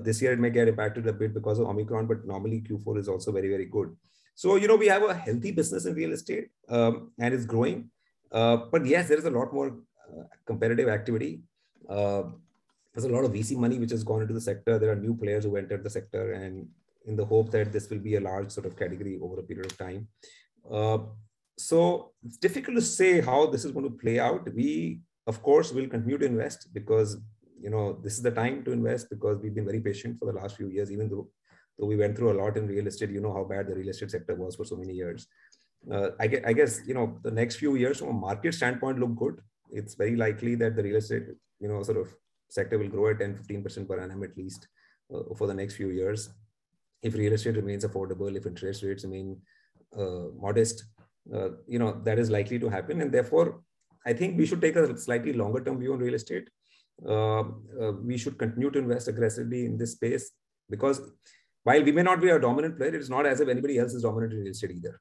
This year it may get impacted a bit because of Omicron, but normally Q4 is also very, very good. You know, we have a healthy business in real estate, and it's growing. But yes, there is a lot more competitive activity. There's a lot of VC money which has gone into the sector. There are new players who entered the sector and in the hope that this will be a large sort of category over a period of time. So it's difficult to say how this is gonna play out. We of course will continue to invest because, you know, this is the time to invest because we've been very patient for the last few years even though we went through a lot in real estate. You know how bad the real estate sector was for so many years. I guess, you know, the next few years from a market standpoint look good. It's very likely that the real estate, you know, sort of sector will grow at 10%-15% per annum at least, for the next few years if real estate remains affordable, if interest rates remain modest. You know, that is likely to happen and therefore I think we should take a slightly longer term view on real estate. We should continue to invest aggressively in this space because while we may not be a dominant player, it is not as if anybody else is dominant in real estate either.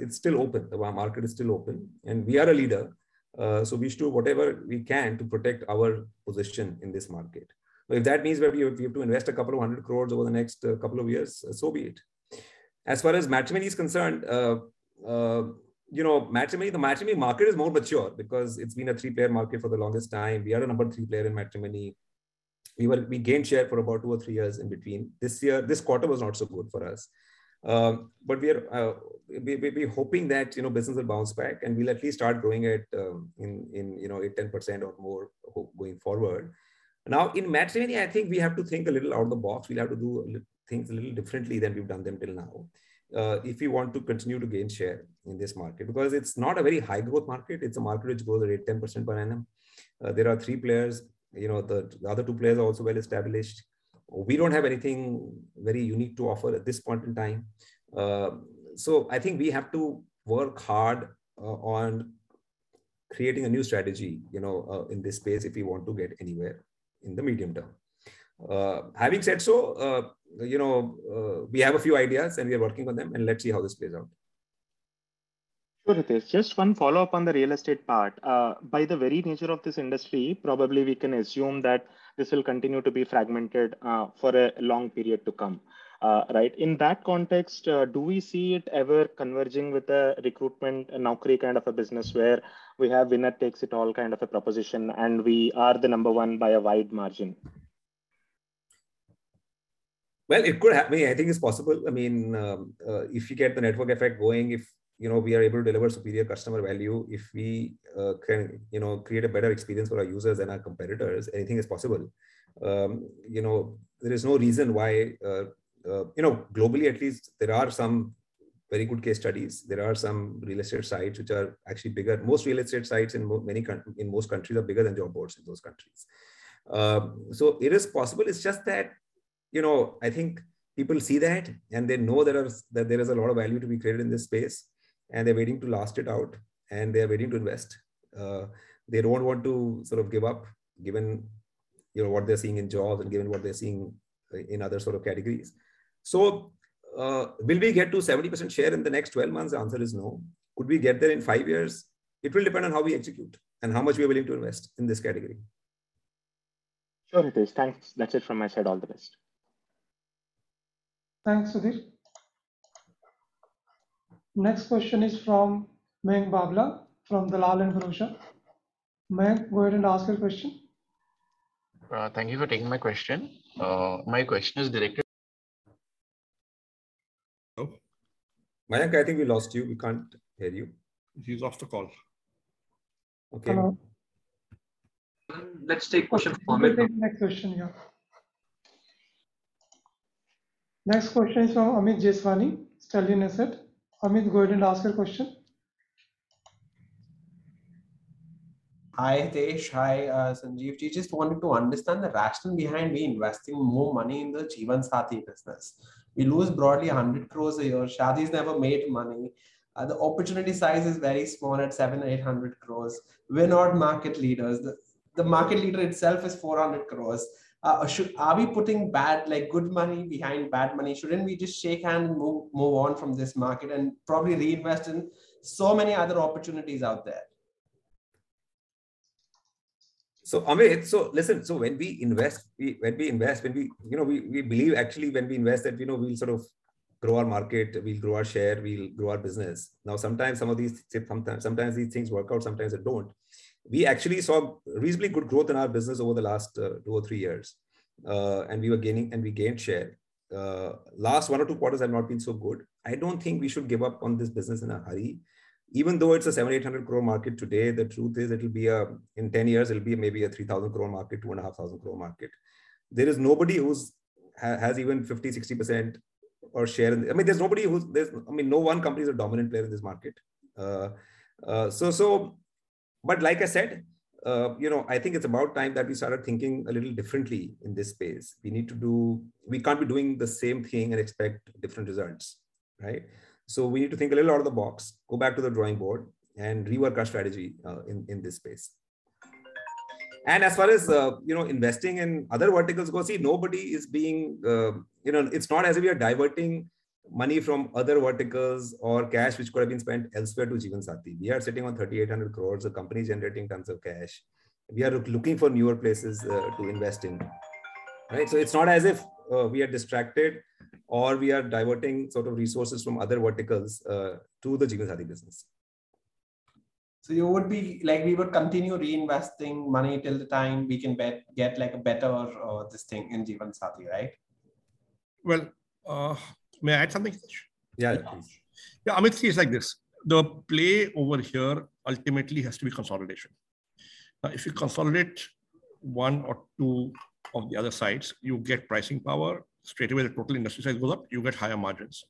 It's still open. Our market is still open. We are a leader, so we should do whatever we can to protect our position in this market. If that means maybe we have to invest 200 crore over the next two years, so be it. As far as matrimony is concerned, you know, matrimony, the matrimony market is more mature because it's been a three player market for the longest time. We are a number three player in matrimony. We will... We gained share for about two or three years in between. This year, this quarter was not so good for us. We will be hoping that business will bounce back and we'll at least start growing at 8%-10% or more going forward. Now in matrimony, I think we have to think a little out of the box. We'll have to do things a little differently than we've done them till now, if we want to continue to gain share in this market. It's not a very high growth market, it's a market which grows at 8%-10% per annum. There are three players. The other two players are also well-established. We don't have anything very unique to offer at this point in time. I think we have to work hard on creating a new strategy, you know, in this space if we want to get anywhere in the medium term. Having said so, you know, we have a few ideas and we are working on them, and let's see how this plays out. Sure, Hitesh. Just one follow-up on the real estate part. By the very nature of this industry, probably we can assume that this will continue to be fragmented, for a long period to come, right? In that context, do we see it ever converging with a recruitment, a Naukri kind of a business where we have winner takes it all kind of a proposition, and we are the number one by a wide margin? Well, it could happen. I think it's possible. I mean, if you get the network effect going, if you know, we are able to deliver superior customer value, if we can, you know, create a better experience for our users than our competitors, anything is possible. You know, there is no reason why. You know, globally at least there are some very good case studies. There are some real estate sites which are actually bigger. Most real estate sites in most countries are bigger than job boards in those countries. So it is possible. It's just that, you know, I think people see that, and they know there is a lot of value to be created in this space, and they're waiting it out, and they're waiting to invest. They don't want to sort of give up given, you know, what they're seeing in jobs and given what they're seeing in other sort of categories. Will we get to 70% share in the next 12 months? The answer is no. Would we get there in five years? It will depend on how we execute and how much we are willing to invest in this category. Sure, Hitesh. Thanks. That's it from my side. All the best. Thanks, Sudhir. Next question is from Mayank Babla from Dalal & Broacha. Mayank, go ahead and ask your question. Thank you for taking my question. My question is directed. Hello? Mayank, I think we lost you. We can't hear you. He's lost the call. Okay. Hello? Let's take question from We'll take the next question, yeah. The next question is from Amit Jeswani, Stallion Asset. Amit, go ahead and ask your question. Hi, Hitesh. Hi, Sanjeev. We just wanted to understand the rationale behind we investing more money in the Jeevansathi business. We lose broadly 100 crores a year. Shaadi.com's never made money. The opportunity size is very small at 700-800 crores. We're not market leaders. The market leader itself is 400 crores. Are we putting good money behind bad money? Shouldn't we just shake hand and move on from this market and probably reinvest in so many other opportunities out there? Amit, listen. When we invest, you know, we believe actually when we invest that, you know, we'll sort of grow our market, we'll grow our share, we'll grow our business. Now, sometimes some of these things work out, sometimes they don't. We actually saw reasonably good growth in our business over the last two or three years. We were gaining, and we gained share. Last one or two quarters have not been so good. I don't think we should give up on this business in a hurry. Even though it's a 700-800 crore market today, the truth is it'll be in 10 years maybe a 3,000 crore market, 2,500 crore market. There is nobody who has even 50-60% share in this market. I mean, no one company is a dominant player in this market. Like I said, you know, I think it's about time that we started thinking a little differently in this space. We can't be doing the same thing and expect different results, right? We need to think a little out of the box, go back to the drawing board, and rework our strategy in this space. As far as investing in other verticals goes, you know, it's not as if we are diverting money from other verticals or cash which could have been spent elsewhere to Jeevansathi. We are sitting on 3,800 crores. The company's generating tons of cash. We are looking for newer places to invest in. Right? It's not as if we are distracted or we are diverting sort of resources from other verticals to the Jeevansathi business. Like, we would continue reinvesting money till the time we can get, like a better this thing in Jeswani, right? Well, may I add something, Hitesh? Yeah, please. Yeah, Amit, see, it's like this. The play over here ultimately has to be consolidation. If you consolidate one or two of the other sites, you get pricing power. Straight away the total industry size go up, you get higher margins,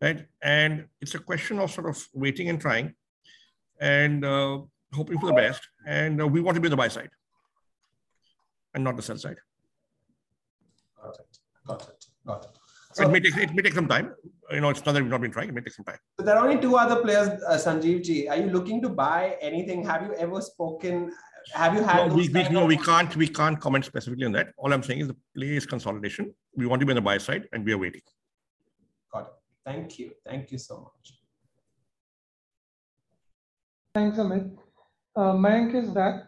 right? It's a question of sort of waiting and trying and hoping for the best. We want to be on the buy side and not the sell side. All right. Got it. It may take some time. You know, it's not that we've not been trying. It may take some time. There are only two other players, Sanjeevji. Are you looking to buy anything? Have you had those kind of- No, we can't comment specifically on that. All I'm saying is the play is consolidation. We want to be on the buy side, and we are waiting. Got it. Thank you. Thank you so much. Thanks, Amit. Mayank is back.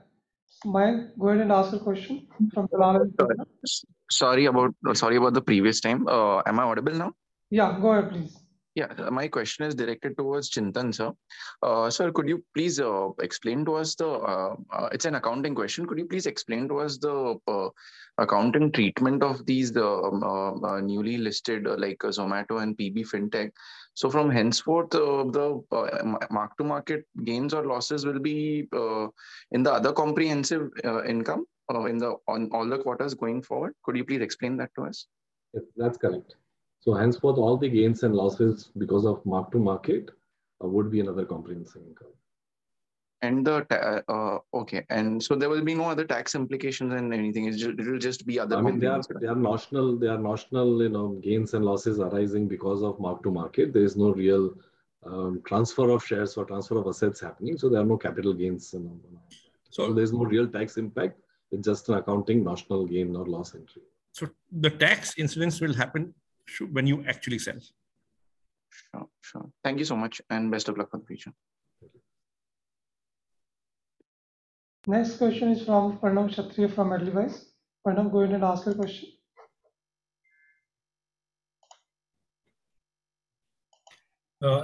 Mayank, go ahead and ask your question from Dalal & Broacha. Sorry about the previous time. Am I audible now? Yeah, go ahead please. Yeah. My question is directed towards Chintan, sir. It's an accounting question. Could you please explain to us the accounting treatment of these newly listed, like Zomato and PB Fintech? From henceforth, the mark-to-market gains or losses will be in the other comprehensive income or in the P&L on all the quarters going forward? Could you please explain that to us? Yep, that's correct. Henceforth, all the gains and losses because of mark-to-market would be in other comprehensive income. There will be no other tax implications in anything. It'll just be other- I mean, they are notional, you know, gains and losses arising because of mark to market. There is no real transfer of shares or transfer of assets happening, so there are no capital gains, you know. There's no real tax impact. It's just an accounting notional gain or loss entry. The tax incidence will happen when you actually sell. Sure, sure. Thank you so much, and best of luck on the future. Thank you. Next question is from Pranav Kshatriya from Edelweiss. Pranav, go ahead and ask your question.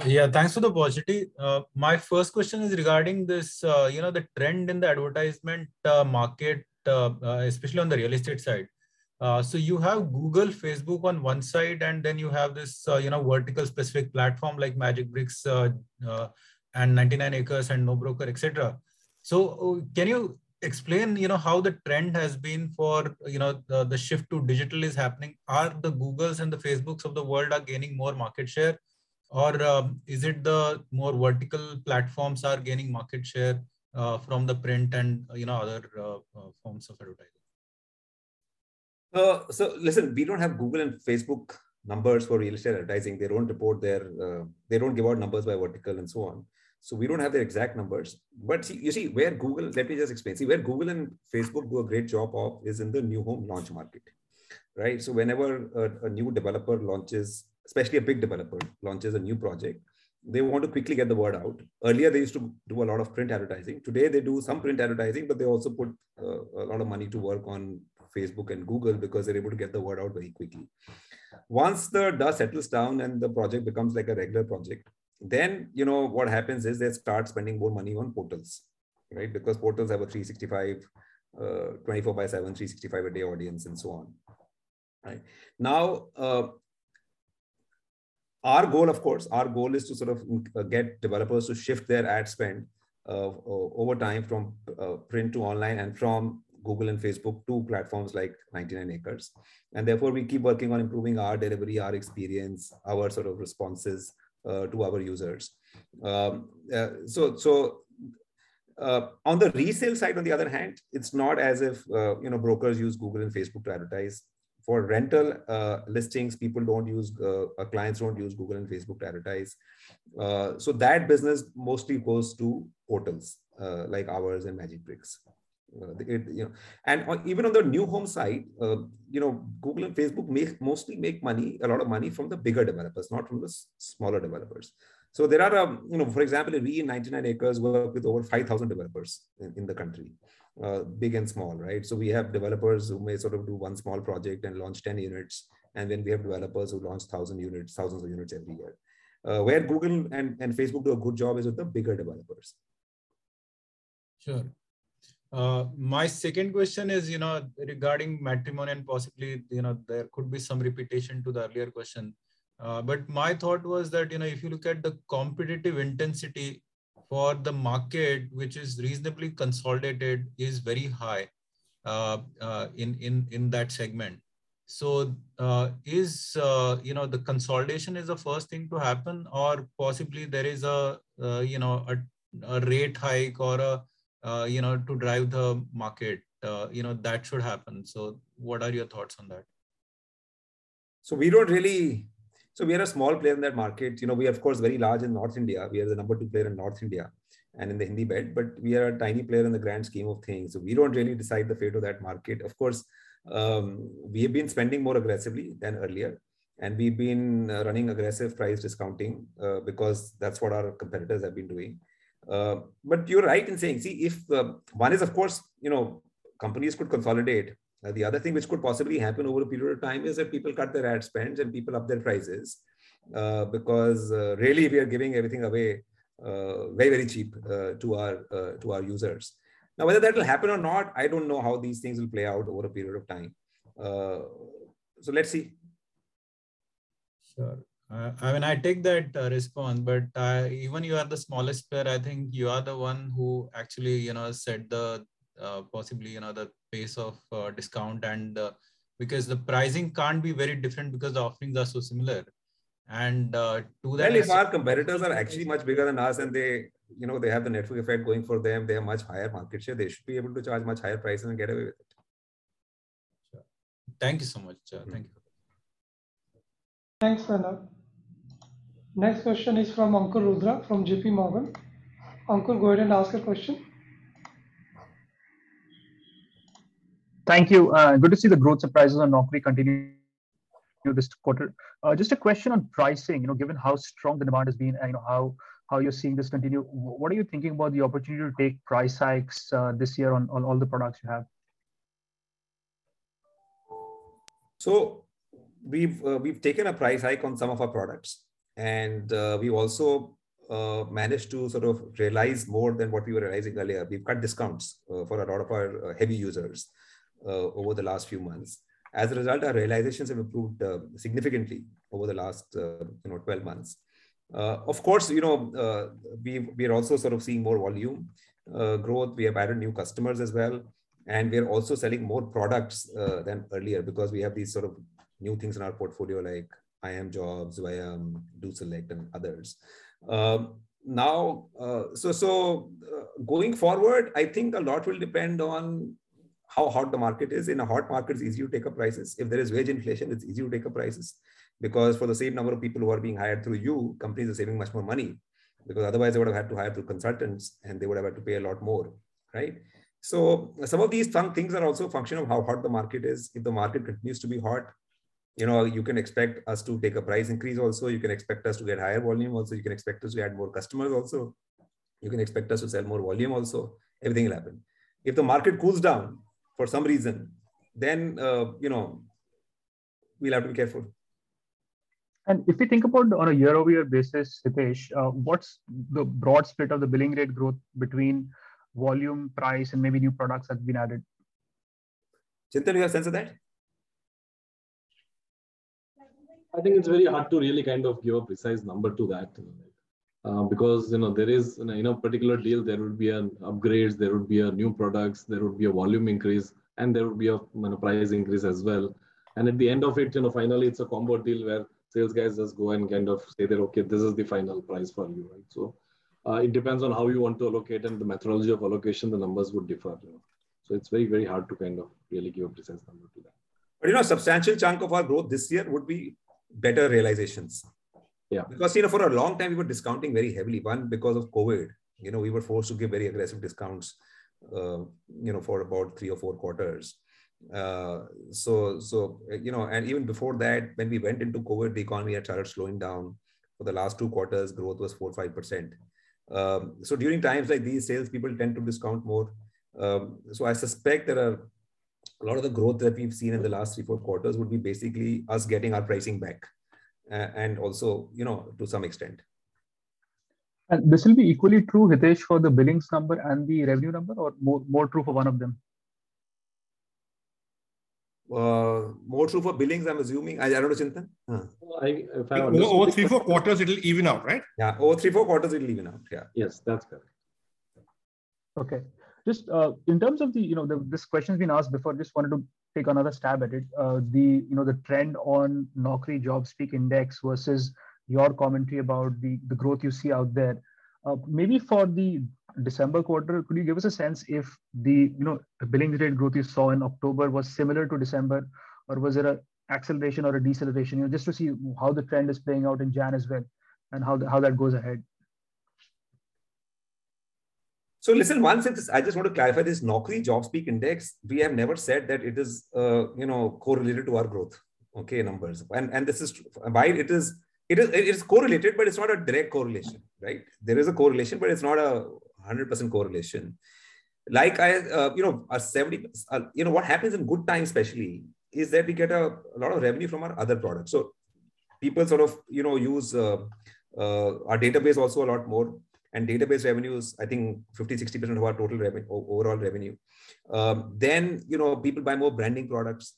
Yeah. Thanks for the opportunity. My first question is regarding this, you know, the trend in the advertisement market, especially on the real estate side. You have Google, Facebook on one side, and then you have this, you know, vertical-specific platform like Magicbricks, and 99 acres and NoBroker, et cetera. Can you explain, you know, how the trend has been for, you know, the shift to digital is happening? Are the Googles and the Facebooks of the world are gaining more market share? Or, is it the more vertical platforms are gaining market share from the print and, you know, other forms of advertising? Listen, we don't have Google and Facebook numbers for real estate advertising. They don't report their numbers by vertical and so on. We don't have their exact numbers. See, you see. Let me just explain. See, where Google and Facebook do a great job of is in the new home launch market, right? Whenever a new developer launches, especially a big developer launches a new project, they want to quickly get the word out. Earlier, they used to do a lot of print advertising. Today, they do some print advertising, but they also put a lot of money to work on Facebook and Google because they're able to get the word out very quickly. Once the dust settles down and the project becomes like a regular project, then, you know, what happens is they start spending more money on portals, right? Because portals have a 365, 24/7, 365 a day audience, and so on. Right? Now, our goal of course is to sort of get developers to shift their ad spend over time from print to online and from Google and Facebook to platforms like 99 acres. Therefore, we keep working on improving our delivery, our experience, our sort of responses to our users. On the resale side, on the other hand, it's not as if, you know, brokers use Google and Facebook to advertise. For rental listings, people don't use or clients don't use Google and Facebook to advertise. That business mostly goes to portals like ours and Magicbricks. Even on the new home side, you know, Google and Facebook mostly make money, a lot of money from the bigger developers, not from the smaller developers. There are, you know, for example, we in 99 acres work with over 5,000 developers in the country, big and small, right? We have developers who may sort of do one small project and launch 10 units, and then we have developers who launch thousands of units every year. Where Google and Facebook do a good job is with the bigger developers. Sure. My second question is, you know, regarding Matrimony and possibly, you know, there could be some repetition to the earlier question. But my thought was that, you know, if you look at the competitive intensity for the market, which is reasonably consolidated, is very high in that segment. Is, you know, the consolidation the first thing to happen or possibly there is a rate hike or to drive the market, you know, that should happen. What are your thoughts on that? We are a small player in that market. You know, we are of course very large in North India. We are the number two player in North India and in the Hindi belt, but we are a tiny player in the grand scheme of things, so we don't really decide the fate of that market. Of course, we have been spending more aggressively than earlier, and we've been running aggressive price discounting because that's what our competitors have been doing. But you're right in saying companies could consolidate. The other thing which could possibly happen over a period of time is that people cut their ad spends and people up their prices, because really we are giving everything away very, very cheap to our users. Now, whether that will happen or not, I don't know how these things will play out over a period of time. Let's see. Sure. I mean, I take that response, but even if you are the smallest player, I think you are the one who actually, you know, set, you know, the pace of discount and to that Well, if our competitors are actually much bigger than us and they, you know, they have the network effect going for them, they have much higher market share, they should be able to charge much higher prices and get away with it. Sure. Thank you so much. Sure. Thank you. Thanks, Pranav. Next question is from Ankur Rudra from J.P. Morgan. Ankur, go ahead and ask your question. Thank you. Good to see the growth surprises on Naukri continue this quarter. Just a question on pricing. You know, given how strong the demand has been and, you know, how you're seeing this continue, what are you thinking about the opportunity to take price hikes, this year on all the products you have? We've taken a price hike on some of our products, and we've also managed to sort of realize more than what we were realizing earlier. We've cut discounts for a lot of our heavy users over the last few months. As a result, our realizations have improved significantly over the last, you know, 12 months. Of course, you know, we're also sort of seeing more volume growth. We have added new customers as well, and we are also selling more products than earlier because we have these sort of new things in our portfolio like iimjobs, Zwayam, DoSelect, and others. Now, going forward, I think a lot will depend on how hot the market is. In a hot market, it's easy to take up prices. If there is wage inflation, it's easy to take up prices. Because for the same number of people who are being hired through you, companies are saving much more money. Because otherwise they would've had to hire through consultants, and they would've had to pay a lot more, right? Some things are also a function of how hot the market is. If the market continues to be hot, you know, you can expect us to take a price increase also, you can expect us to get higher volume also, you can expect us to add more customers also, you can expect us to sell more volume also. Everything will happen. If the market cools down for some reason, then, you know, we'll have to be careful. If we think about on a year-over-year basis, Hitesh, what's the broad split of the billing rate growth between volume, price, and maybe new products that have been added? Chintan, do you have a sense of that? I think it's very hard to really kind of give a precise number to that. Because, you know, there is in a particular deal there would be upgrades, there would be new products, there would be, you know, price increase as well. At the end of it, you know, finally it's a combo deal where sales guys just go and kind of say that, "Okay, this is the final price for you," right? It depends on how you want to allocate, and the methodology of allocation, the numbers would differ. It's very, very hard to kind of really give a precise number to that. You know, a substantial chunk of our growth this year would be better realizations. Yeah. Because, you know, for a long time we were discounting very heavily. One, because of COVID, you know, we were forced to give very aggressive discounts, you know, for about three or four quarters. You know, and even before that, when we went into COVID, the economy had started slowing down. For the last two quarters, growth was 4%-5%. During times like these, salespeople tend to discount more. I suspect that a lot of the growth that we've seen in the last three, four quarters would be basically us getting our pricing back, also, you know, to some extent. This will be equally true, Hitesh, for the billings number and the revenue number, or more true for one of them? More true for billings, I'm assuming. I don't know, Chintan. Well, Over three, four quarters it'll even out, right? Yeah. Over three, four quarters it'll even out. Yeah. Yes, that's correct. Okay. Just in terms of the, you know, this question's been asked before. Just wanted to take another stab at it. The, you know, the trend on Naukri JobSpeak Index versus your commentary about the growth you see out there. Maybe for the December quarter, could you give us a sense if you know the billing rate growth you saw in October was similar to December, or was it an acceleration or a deceleration? You know, just to see how the trend is playing out in January as well, and how that goes ahead. Listen, one second. I just want to clarify this Naukri JobSpeak Index. We have never said that it is correlated to our growth, okay, numbers. This is true. While it is correlated, but it's not a direct correlation, right? There is a correlation, but it's not a 100% correlation. Like I, you know, what happens in good times especially is that we get a lot of revenue from our other products. People sort of, you know, use our database also a lot more. Database revenue is, I think, 50%-60% of our total overall revenue. You know, people buy more branding products.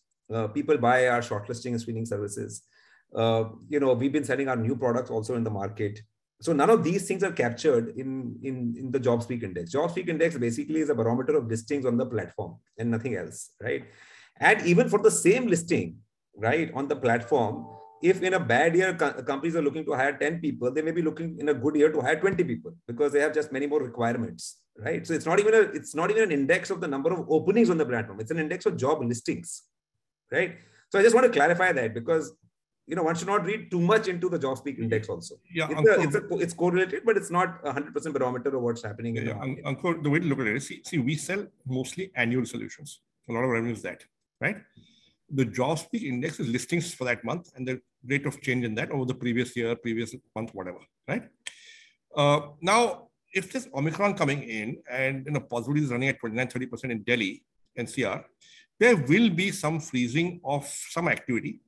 People buy our shortlisting and screening services. You know, we've been selling our new products also in the market. None of these things are captured in the JobSpeak Index. JobSpeak Index basically is a barometer of listings on the platform and nothing else, right? And even for the same listing, right, on the platform, if in a bad year companies are looking to hire 10 people, they may be looking in a good year to hire 20 people, because they have just many more requirements, right? It's not even an index of the number of openings on the platform. It's an index of job listings, right? I just want to clarify that because, you know, one should not read too much into the JobSpeak Index also. Yeah. It's correlated, but it's not 100% barometer of what's happening in the Yeah. Ankur, the way to look at it is see, we sell mostly annual solutions. A lot of our revenue is that, right? The JobSpeak Index is listings for that month and the rate of change in that over the previous year, previous month, whatever, right? Now if this Omicron coming in and, you know, positivity is running at 29%-30% in Delhi, NCR, there will be some freezing of some activity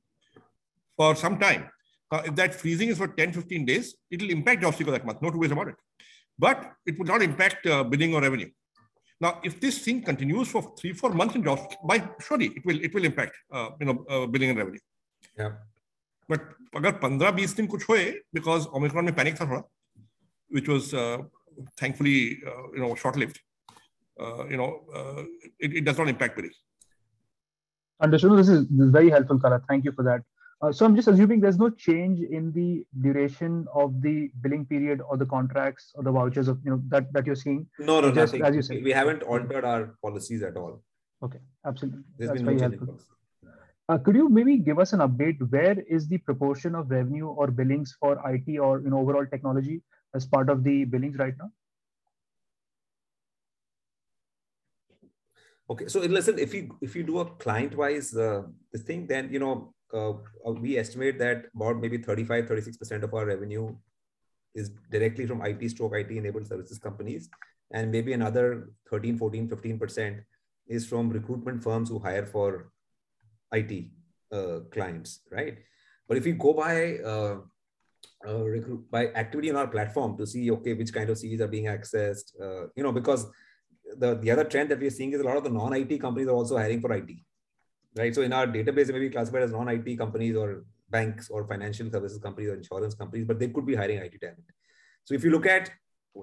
for some time. If that freezing is for 10-15 days, it'll impact JobSpeak for that month, no two ways about it, but it would not impact billing or revenue. Now, if this thing continues for 3-4 months in JobSpeak, surely it will impact, you know, billing and revenue. Yeah. Understandable. This is very helpful, Kara. Thank you for that. I'm just assuming there's no change in the duration of the billing period or the contracts or the vouchers of that you're seeing. No, no. Nothing. Just as you say. We haven't altered our policies at all. Okay. Absolutely. That's been helpful. There's been no change at all. Could you maybe give us an update, where is the proportion of revenue or billings for IT or, you know, overall technology as part of the billings right now? Okay. Listen, if you do a client-wise thing, then you know we estimate that about maybe 35%-36% of our revenue is directly from IT/IT-enabled services companies, and maybe another 13%-15% is from recruitment firms who hire for IT clients, right? If you go by activity on our platform to see, okay, which kind of CVs are being accessed. You know, because the other trend that we are seeing is a lot of the non-IT companies are also hiring for IT, right? In our database, they may be classified as non-IT companies or banks or financial services companies or insurance companies, but they could be hiring IT talent. If you look at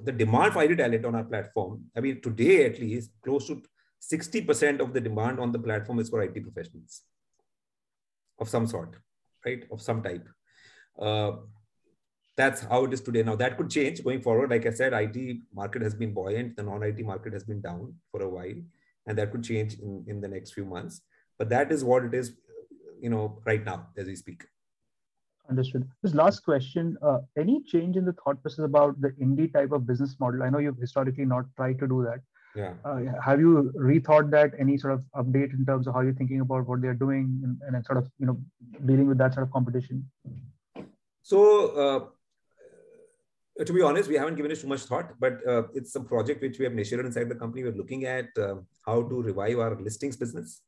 the demand for IT talent on our platform, I mean, today at least close to 60% of the demand on the platform is for IT professionals of some sort, right? Of some type. That's how it is today. Now, that could change going forward. Like I said, IT market has been buoyant, the non-IT market has been down for a while, and that could change in the next few months. That is what it is, you know, right now as we speak. Understood. Just last question. Any change in the thought process about the Indeed type of business model? I know you've historically not tried to do that. Yeah. Have you rethought that? Any sort of update in terms of how you're thinking about what they're doing and then sort of, you know, dealing with that sort of competition? To be honest, we haven't given it too much thought. It's a project which we have measured inside the company. We're looking at how to revive our listings business.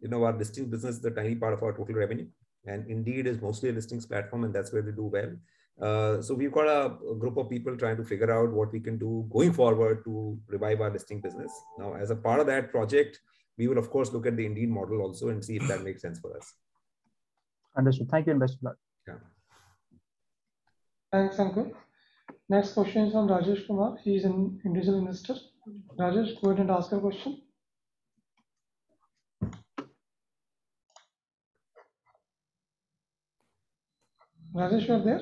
You know, our listings business is a tiny part of our total revenue, and Indeed is mostly a listings platform, and that's where they do well. We've got a group of people trying to figure out what we can do going forward to revive our listing business. Now, as a part of that project, we will of course look at the Indeed model also and see if that makes sense for us. Understood. Thank you, and best of luck. Yeah. Thanks, Ankur. Next question is from Rajesh Kumar. He's an individual investor. Rajesh, go ahead and ask your question. Rajesh, you are there?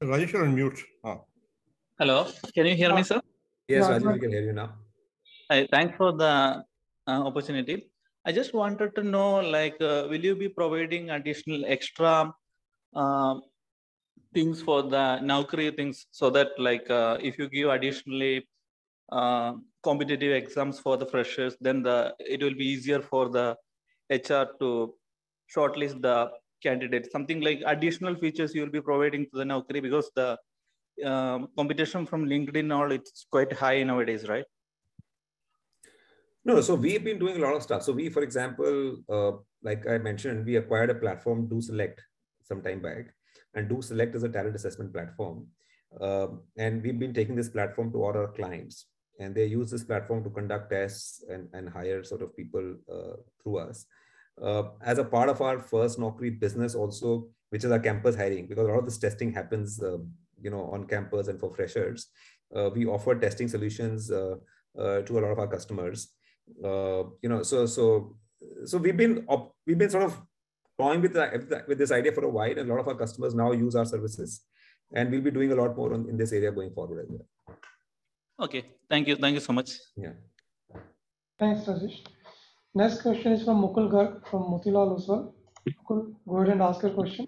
Sir, Rajesh is on mute. Oh. Hello. Can you hear me, sir? Yes, Rajesh, we can hear you now. Hi. Thanks for the opportunity. I just wanted to know, like, will you be providing additional extra things for the Naukri things so that like, if you give additionally, competitive exams for the freshers, then it will be easier for the HR to shortlist the candidates. Something like additional features you'll be providing to the Naukri because the competition from LinkedIn now it's quite high nowadays, right? No, we've been doing a lot of stuff. We, for example, like I mentioned, we acquired a platform DoSelect some time back, and DoSelect is a talent assessment platform. We've been taking this platform to all our clients, and they use this platform to conduct tests and hire sort of people through us. As a part of our first Naukri business also, which is our campus hiring. Because a lot of this testing happens, you know, on campus and for freshers, we offer testing solutions to a lot of our customers. You know, we've been sort of toying with this idea for a while, and a lot of our customers now use our services, and we'll be doing a lot more in this area going forward as well. Okay. Thank you. Thank you so much. Yeah. Thanks, Rajesh. Next question is from Mukul Garg from Motilal Oswal. Mukul, go ahead and ask your question.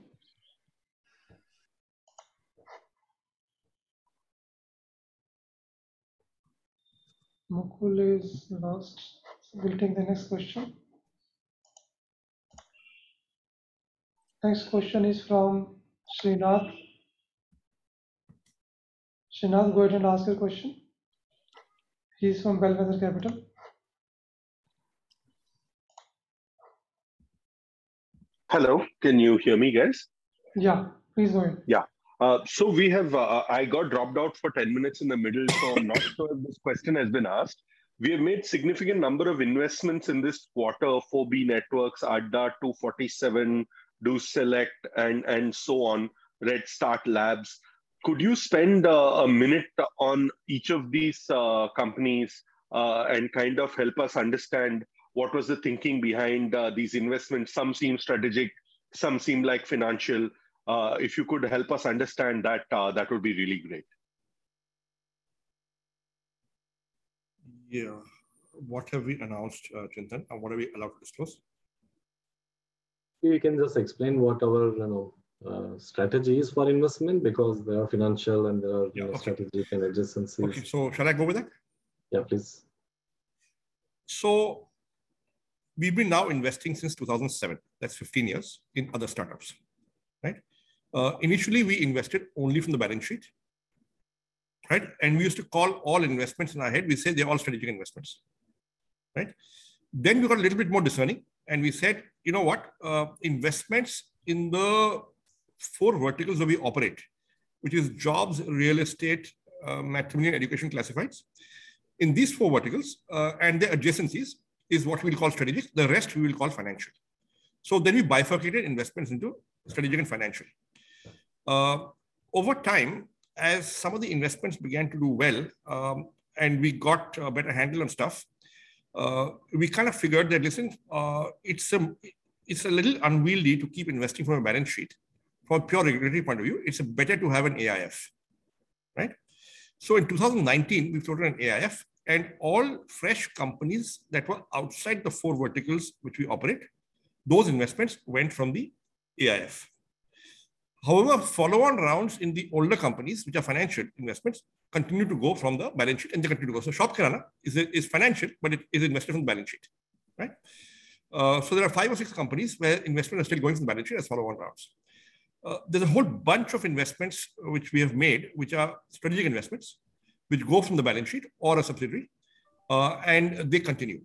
Mukul is lost. We'll take the next question. Next question is from Srinath. Srinath, go ahead and ask your question. He's from Bellwether, Inc. Hello, can you hear me guys? Yeah. Please go ahead. Yeah. We have, I got dropped out for 10 minutes in the middle, so I'm not sure if this question has been asked. We have made significant number of investments in this quarter, 4B Networks, Adda247, DoSelect and so on, Redstart Labs. Could you spend a minute on each of these companies and kind of help us understand what was the thinking behind these investments? Some seem strategic, some seem like financial. If you could help us understand that would be really great. Yeah. What have we announced, Chintan? What are we allowed to disclose? We can just explain what our, you know, strategy is for investment because there are financial and there are. Yeah, okay. you know, strategic and adjacencies. Okay. Shall I go with it? Yeah, please. We've been now investing since 2007, that's 15 years, in other startups, right? Initially we invested only from the balance sheet, right? We used to call all investments in our head, we said they're all strategic investments, right? We got a little bit more discerning and we said, "You know what? Investments in the four verticals that we operate, which is jobs, real estate, matrimony and education classifieds. In these four verticals, and their adjacencies is what we'll call strategic, the rest we will call financial." We bifurcated investments into strategic and financial. Over time, as some of the investments began to do well, and we got a better handle on stuff, we kind of figured that, listen, it's a little unwieldy to keep investing from a balance sheet. From a pure liquidity point of view, it's better to have an AIF, right? In 2019 we floated an AIF, and all fresh companies that were outside the four verticals which we operate, those investments went from the AIF. However, follow-on rounds in the older companies, which are financial investments, continue to go from the balance sheet. ShopKirana is financial, but it is invested from balance sheet, right? There are five or six companies where investments are still going from the balance sheet as follow-on rounds. There's a whole bunch of investments which we have made, which are strategic investments, which go from the balance sheet or a subsidiary, and they continue,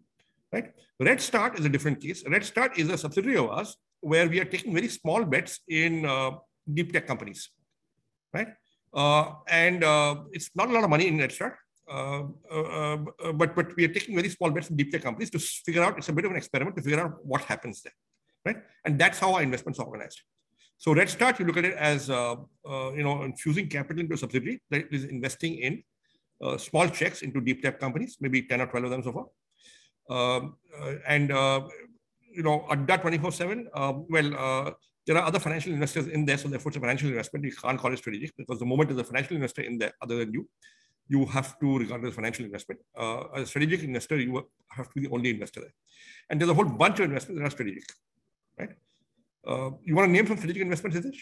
right? Redstart is a different case. Redstart is a subsidiary of ours where we are taking very small bets in deep tech companies, right? It's not a lot of money in Redstart, but we are taking very small bets in deep tech companies to figure out. It's a bit of an experiment to figure out what happens there. Right? That's how our investment's organized. Redstart, you look at it as, you know, infusing capital into a subsidiary that is investing in small checks into deep tech companies, maybe 10 or 12 of them so far. You know, at that 24/7, well, there are other financial investors in there, so therefore it's a financial investment. You can't call it strategic, because the moment there's a financial investor in there other than you have to regard it as financial investment. A strategic investor, you have to be the only investor there. There's a whole bunch of investments that are strategic, right? You want to name some strategic investments, Hitesh?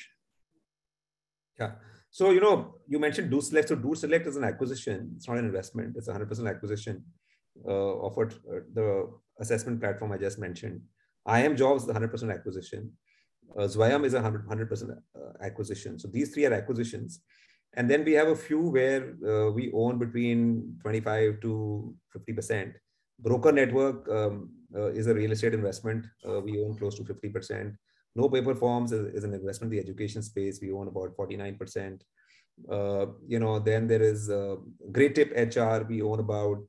Yeah. You know, you mentioned DoSelect. DoSelect is an acquisition, it's not an investment. It's 100% acquisition of the assessment platform I just mentioned. iimjobs is 100% acquisition. Zwayam is 100% acquisition. These three are acquisitions. Then we have a few where we own between 25%-50%. 4B Networks is a real estate investment. We own close to 50%. NoPaperForms is an investment in the education space. We own about 49%. You know, then there is Greytip HR. We own about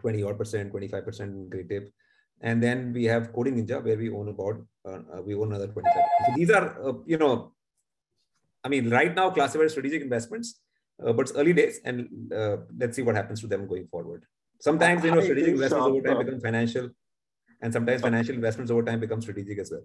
20 odd%, 25% in Greytip. Then we have Coding Ninjas, where we own another 25. These are, you know... I mean, right now classified as strategic investments, but it's early days and, let's see what happens to them going forward. Sometimes, you know, strategic- How do you Investments over time become financial, and sometimes financial investments over time become strategic as well.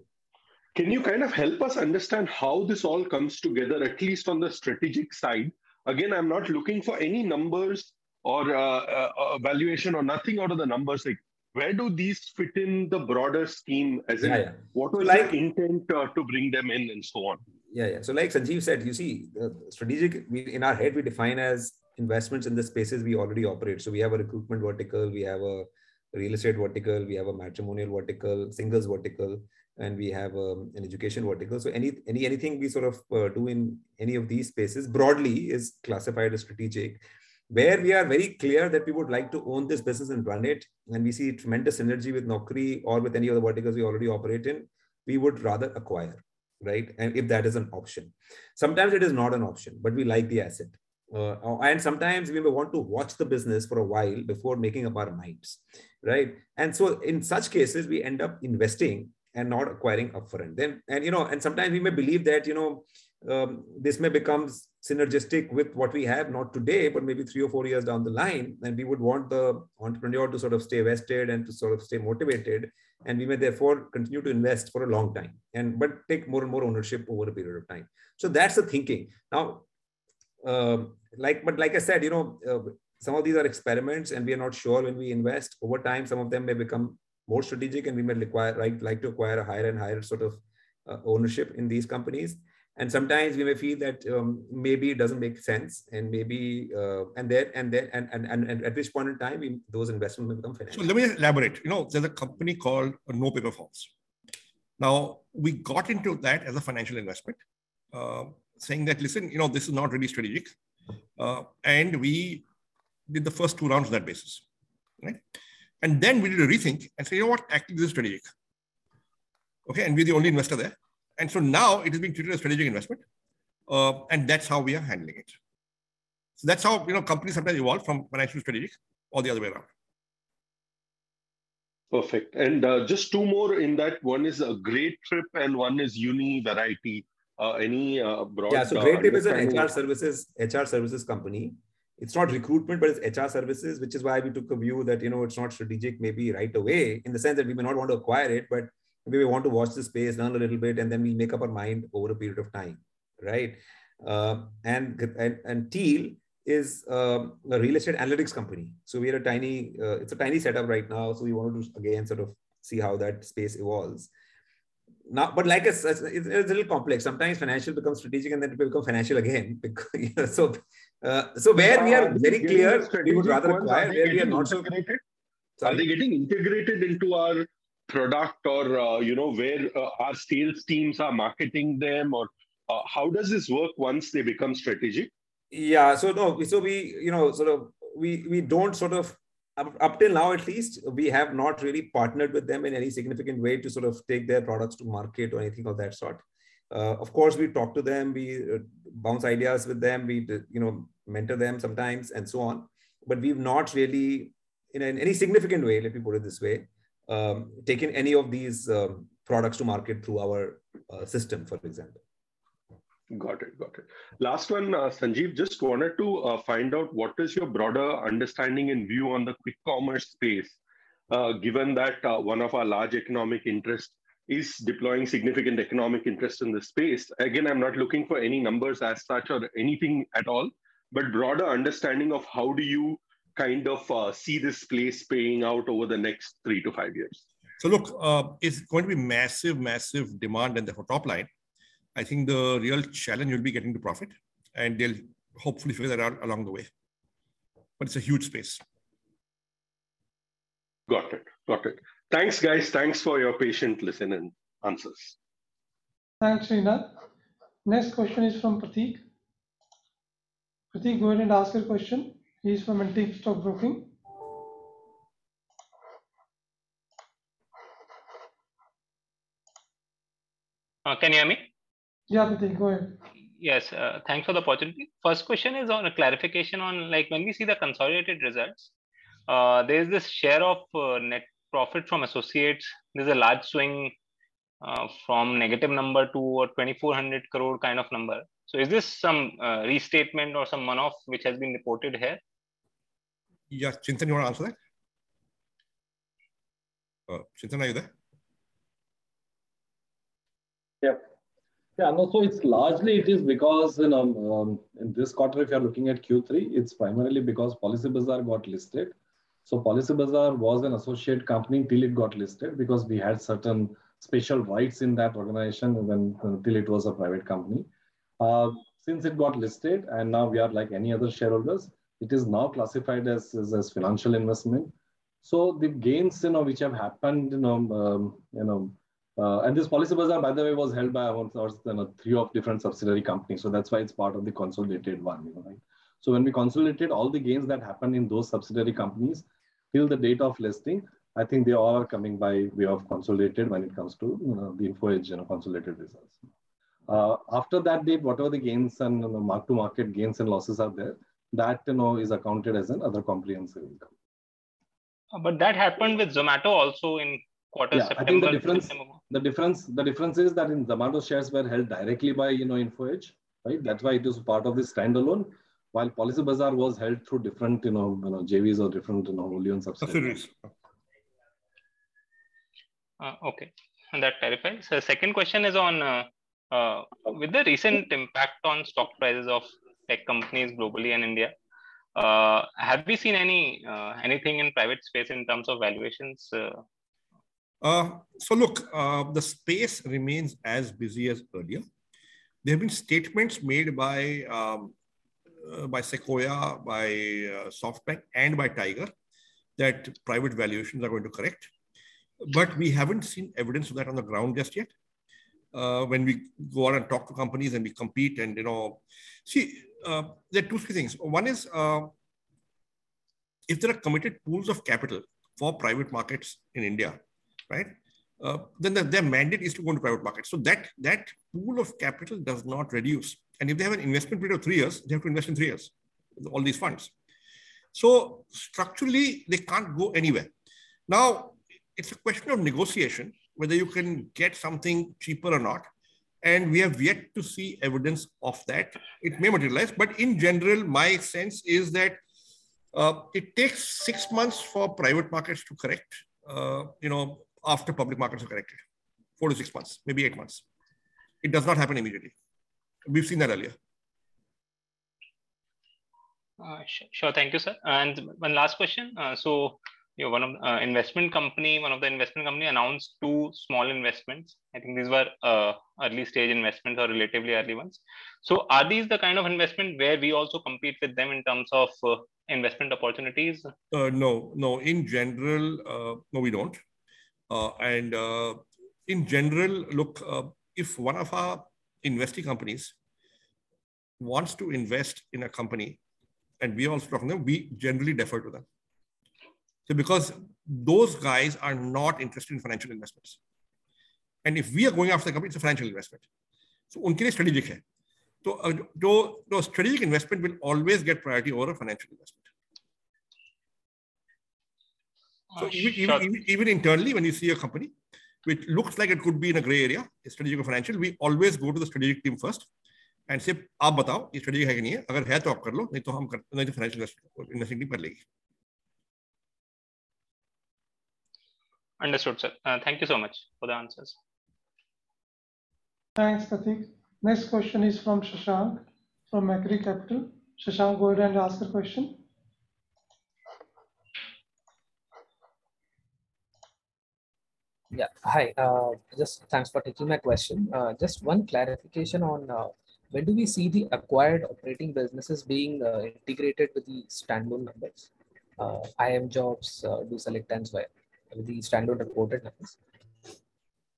Can you kind of help us understand how this all comes together, at least on the strategic side? Again, I'm not looking for any numbers or, a valuation or nothing out of the numbers. Like, where do these fit in the broader scheme as in- Yeah. What was the intent to bring them in and so on? Yeah, yeah. Like Sanjeev said, you see, strategic, in our head, we define as investments in the spaces we already operate. We have a recruitment vertical, we have a real estate vertical, we have a matrimonial vertical, singles vertical, and we have an education vertical. Anything we sort of do in any of these spaces, broadly, is classified as strategic. Where we are very clear that we would like to own this business and run it, and we see tremendous synergy with Naukri or with any other verticals we already operate in, we would rather acquire, right? If that is an option. Sometimes it is not an option, but we like the asset. Sometimes we may want to watch the business for a while before making up our minds, right? In such cases, we end up investing and not acquiring upfront. You know, sometimes we may believe that, you know, this may become synergistic with what we have, not today, but maybe three or four years down the line, and we would want the entrepreneur to sort of stay vested and to sort of stay motivated. We may therefore continue to invest for a long time, but take more and more ownership over a period of time. That's the thinking. Now, like, but like I said, you know, some of these are experiments, and we are not sure when we invest. Over time, some of them may become more strategic, and we may require, right, like to acquire a higher and higher sort of ownership in these companies. Sometimes we may feel that maybe it doesn't make sense and maybe and then at which point in time those investments become finished. Let me elaborate. You know, there's a company called NoPaperForms. Now, we got into that as a financial investment, saying that, "Listen, you know, this is not really strategic." We did the first two rounds on that basis, right? Then we did a rethink and said, "You know what? Actually, this is strategic." Okay? We're the only investor there. Now it is being treated as strategic investment, and that's how we are handling it. That's how, you know, companies sometimes evolve from financial to strategic or the other way around. Perfect. Just two more in that. One is Greytip, and one is Univariety. Any broad Yeah. Greytip is an HR services company. It's not recruitment, but it's HR services, which is why we took a view that, you know, it's not strategic maybe right away in the sense that we may not want to acquire it, but maybe we want to watch the space, learn a little bit, and then we make up our mind over a period of time, right? Teal is a real estate analytics company. We had a tiny, it's a tiny setup right now, so we want to again, sort of see how that space evolves. Now, like it's a little complex. Sometimes financial becomes strategic, and then it will become financial again. Where we are very clear. Are these getting strategic once they become integrated? We would rather acquire, where we are not so clear. Are they getting integrated into our product or, you know, where our sales teams are marketing them or, how does this work once they become strategic? No. We, you know, sort of, don't sort of up till now at least have not really partnered with them in any significant way to sort of take their products to market or anything of that sort. Of course, we talk to them, we bounce ideas with them. We, you know, mentor them sometimes, and so on. We've not really in any significant way, let me put it this way, taken any of these products to market through our system, for example. Got it. Last one, Sanjeev. Just wanted to find out what is your broader understanding and view on the quick commerce space, given that one of our large economic interest is deploying significant economic interest in this space. Again, I'm not looking for any numbers as such or anything at all, but broader understanding of how do you kind of see this space playing out over the next 3-5 years? Look, it's going to be massive demand and therefore top line. I think the real challenge will be getting to profit and they'll hopefully figure that out along the way. It's a huge space. Got it. Thanks, guys. Thanks for your patience and listening. Thanks, Srinath. Next question is from Prateek. Prateek, go ahead and ask your question. He's from Antique Stock Broking. Can you hear me? Yeah, Prateek, go ahead. Yes, thanks for the opportunity. First question is on a clarification on, like, when we see the consolidated results, there is this share of net profit from associates. There's a large swing from negative number to a 2,400 crore kind of number. Is this some restatement or some one-off which has been reported here? Yeah. Chintan, you wanna answer that? Chintan, are you there? It's largely it is because, you know, in this quarter, if you're looking at Q3, it's primarily because Policybazaar got listed. Policybazaar was an associate company till it got listed because we had certain special rights in that organization when till it was a private company. Since it got listed and now we are like any other shareholders, it is now classified as a financial investment. The gains, you know, which have happened, you know, you know. And this Policybazaar, by the way, was held by our SIHL, you know, three of different subsidiary companies. That's why it's part of the consolidated one, you know, right? When we consolidated all the gains that happened in those subsidiary companies till the date of listing, I think they all are coming by way of consolidated when it comes to, you know, the Info Edge, you know, consolidated results. After that date, whatever the gains and the mark-to-market gains and losses are there, that, you know, is accounted as other comprehensive income. That happened with Zomato also in quarter September. Yeah. I think the difference is that in Zomato, shares were held directly by, you know, Info Edge, right? That's why it is part of this stand-alone. While Policybazaar was held through different, you know, JVs or different, you know, wholly-owned subsidiaries. Okay. That clarifies. The second question is on the recent impact on stock prices of tech companies globally in India. Have we seen anything in private space in terms of valuations? Look, the space remains as busy as earlier. There have been statements made by Sequoia, by SoftBank, and by Tiger that private valuations are going to correct. We haven't seen evidence of that on the ground just yet. When we go out and talk to companies and we compete and, you know, there are two, three things. One is, if there are committed pools of capital for private markets in India, right? Their mandate is to go into private markets. That pool of capital does not reduce. If they have an investment period of three years, they have to invest in three years, all these funds. Structurally, they can't go anywhere. Now, it's a question of negotiation whether you can get something cheaper or not, and we have yet to see evidence of that. It may materialize. In general, my sense is that it takes six months for private markets to correct, you know, after public markets are corrected. 4-6 months, maybe eight months. It does not happen immediately. We've seen that earlier. Sure. Thank you, sir. One last question. You know, one of the investment companies announced two small investments. I think these were early-stage investments or relatively early ones. Are these the kind of investment where we also compete with them in terms of investment opportunities? No. No. In general, no, we don't. In general, look, if one of our investing companies wants to invest in a company and we also approach them, we generally defer to them. Because those guys are not interested in financial investments. If we are going after the company, it's a financial investment. Even internally, when you see a company which looks like it could be in a gray area, it's strategic or financial, we always go to the strategic team first and say, "You tell me, is this strategic or not? If it is, you do it. Otherwise, we'll do it. Otherwise, the financial investing team will do it. Understood, sir. Thank you so much for the answers. Thanks, Prateek. Next question is from Shashank from Macquarie Capital. Shashank, go ahead and ask your question. Yeah. Hi. Just thanks for taking my question. Just one clarification on when do we see the acquired operating businesses being integrated with the standalone numbers? iimjobs, DoSelect and Zwayam with the standalone reported numbers.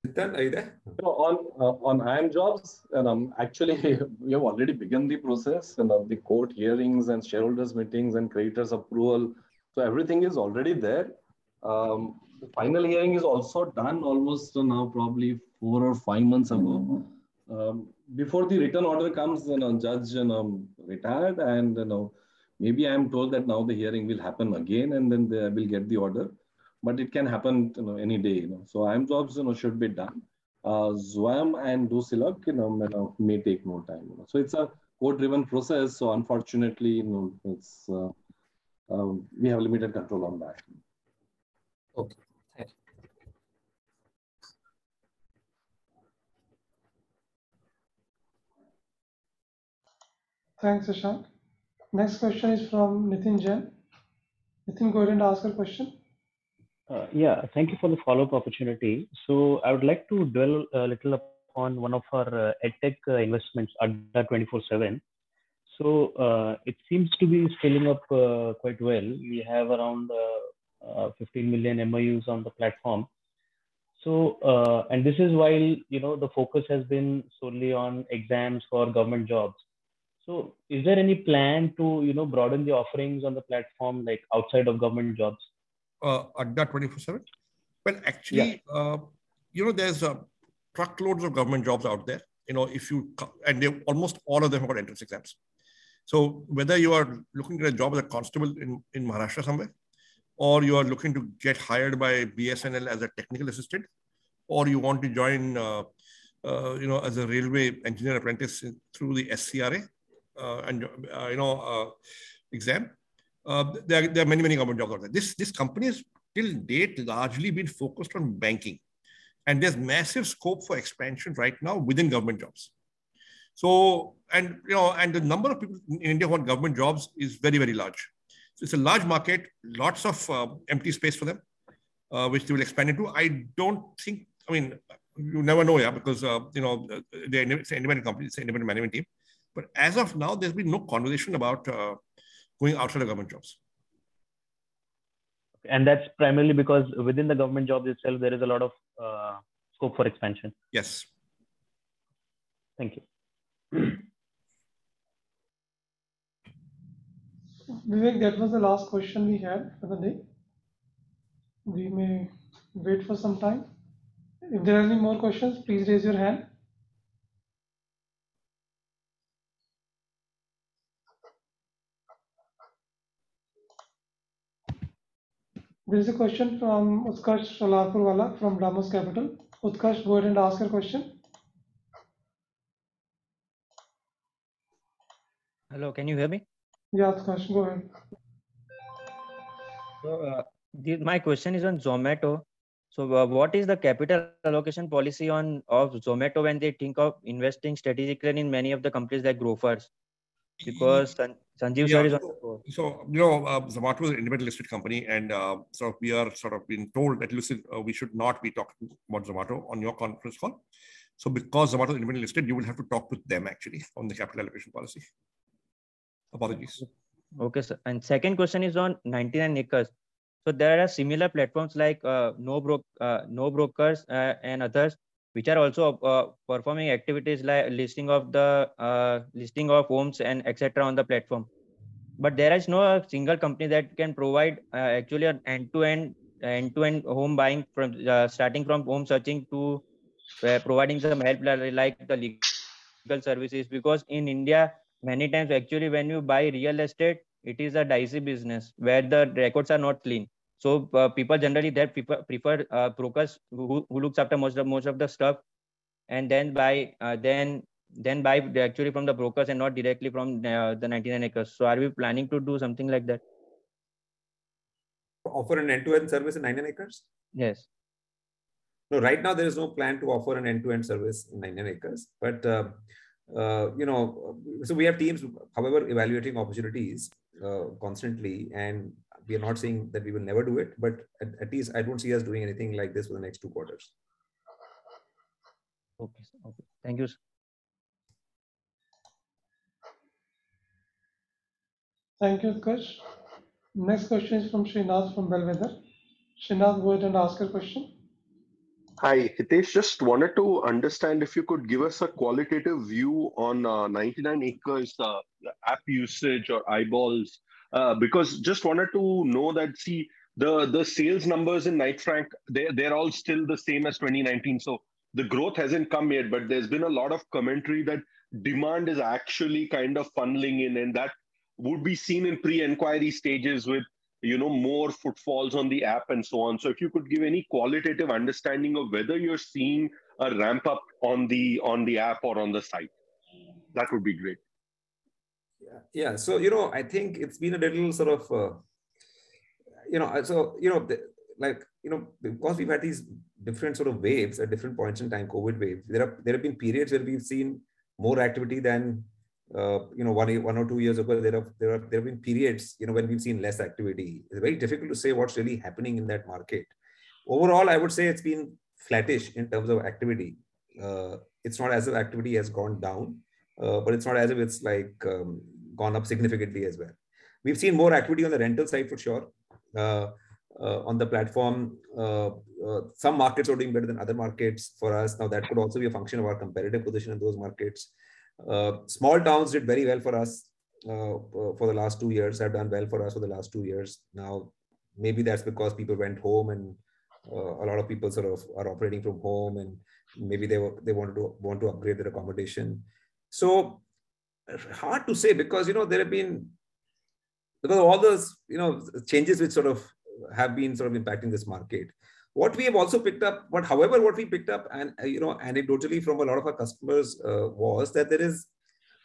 Chintan, are you there? On iimjobs, you know, actually we have already begun the process. You know, the court hearings and shareholders meetings and creditors approval. Everything is already there. The final hearing is also done almost now probably four or five months ago. Before the written order comes, you know, judge, you know, retired and, you know, maybe I am told that now the hearing will happen again and then they will get the order. But it can happen, you know, any day, you know. iimjobs, you know, should be done. Zwayam and DoSelect, you know, may take more time. It's a court-driven process, so unfortunately, you know, it's, we have limited control on that. Okay. Thank you. Thanks, Shashank. Next question is from Nitin Jain. Nitin, go ahead and ask your question. Yeah. Thank you for the follow-up opportunity. I would like to dwell a little upon one of our edtech investments, Adda247. It seems to be scaling up quite well. We have around 15 million MAUs on the platform. This is while, you know, the focus has been solely on exams for government jobs. Is there any plan to, you know, broaden the offerings on the platform, like outside of government jobs? Is that 24/7? Well, actually. Yeah You know, there's truckloads of government jobs out there. You know, they almost all of them have got entrance exams. Whether you are looking at a job as a constable in Maharashtra somewhere, or you are looking to get hired by BSNL as a technical assistant, or you want to join as a railway engineer apprentice through the SCRA exam, there are many government jobs out there. This company has till date largely been focused on banking, and there's massive scope for expansion right now within government jobs. You know, the number of people in India who want government jobs is very large. It's a large market, lots of empty space for them, which they will expand into. I don't think. I mean, you never know, yeah, because you know, it's an independent company, it's an independent management team. As of now, there's been no conversation about going outside of government jobs. That's primarily because within the government jobs itself, there is a lot of scope for expansion? Yes. Thank you. Vivek, that was the last question we had for the day. We may wait for some time. If there are any more questions, please raise your hand. There's a question from Utkarsh Solapurwala from DAM Capital. Utkarsh, go ahead and ask your question. Hello, can you hear me? Yeah, Utkarsh, go ahead. My question is on Zomato. What is the capital allocation policy of Zomato when they think of investing strategically in many of the companies like Grofers? Because Sanjeev sir is on the board. You know, Zomato is an independently listed company, and so we are sort of being told that listen, we should not be talking about Zomato on your conference call. Because Zomato is independently listed, you will have to talk with them actually on the capital allocation policy. Apologies. Okay, sir. Second question is on 99 acres. There are similar platforms like NoBroker and others, which are also performing activities like listing of homes and et cetera on the platform. There is no single company that can provide actually an end-to-end home buying from starting from home searching to providing some help like the legal services. Because in India, many times actually when you buy real estate, it is a dicey business where the records are not clean. People generally they prefer brokers who looks after most of the stuff, and then buy actually from the brokers and not directly from the 99 acres. Are we planning to do something like that? Offer an end-to-end service in 99 acres? Yes. No, right now there is no plan to offer an end-to-end service in 99 acres. We have teams, however, evaluating opportunities constantly, and we are not saying that we will never do it, but at least I don't see us doing anything like this for the next two quarters. Okay, sir. Okay. Thank you, sir. Thank you, Utkarsh. Next question is from Srinath from Bellwether. Srinath, go ahead and ask your question. Hi. Hitesh, just wanted to understand if you could give us a qualitative view on 99 acres' app usage or eyeballs. Because just wanted to know that, see, the sales numbers in Knight Frank, they're all still the same as 2019, so the growth hasn't come yet, but there's been a lot of commentary that demand is actually kind of funneling in, and that would be seen in pre-enquiry stages with, you know, more footfalls on the app and so on. If you could give any qualitative understanding of whether you're seeing a ramp-up on the app or on the site, that would be great. Yeah, you know, I think it's been a little sort of, you know. Like, you know, because we've had these different sort of waves at different points in time, COVID waves, there have been periods where we've seen more activity than, you know, one or two years ago. There have been periods, you know, when we've seen less activity. It's very difficult to say what's really happening in that market. Overall, I would say it's been flattish in terms of activity. It's not as if activity has gone down, but it's not as if it's like, gone up significantly as well. We've seen more activity on the rental side for sure. On the platform, some markets are doing better than other markets for us. That could also be a function of our competitive position in those markets. Small towns have done well for us for the last two years now. Maybe that's because people went home and a lot of people sort of are operating from home and maybe they want to upgrade their accommodation. Hard to say because, you know, there have been all those changes, you know, which sort of have been impacting this market. What we picked up and, you know, anecdotally from a lot of our customers, was that there is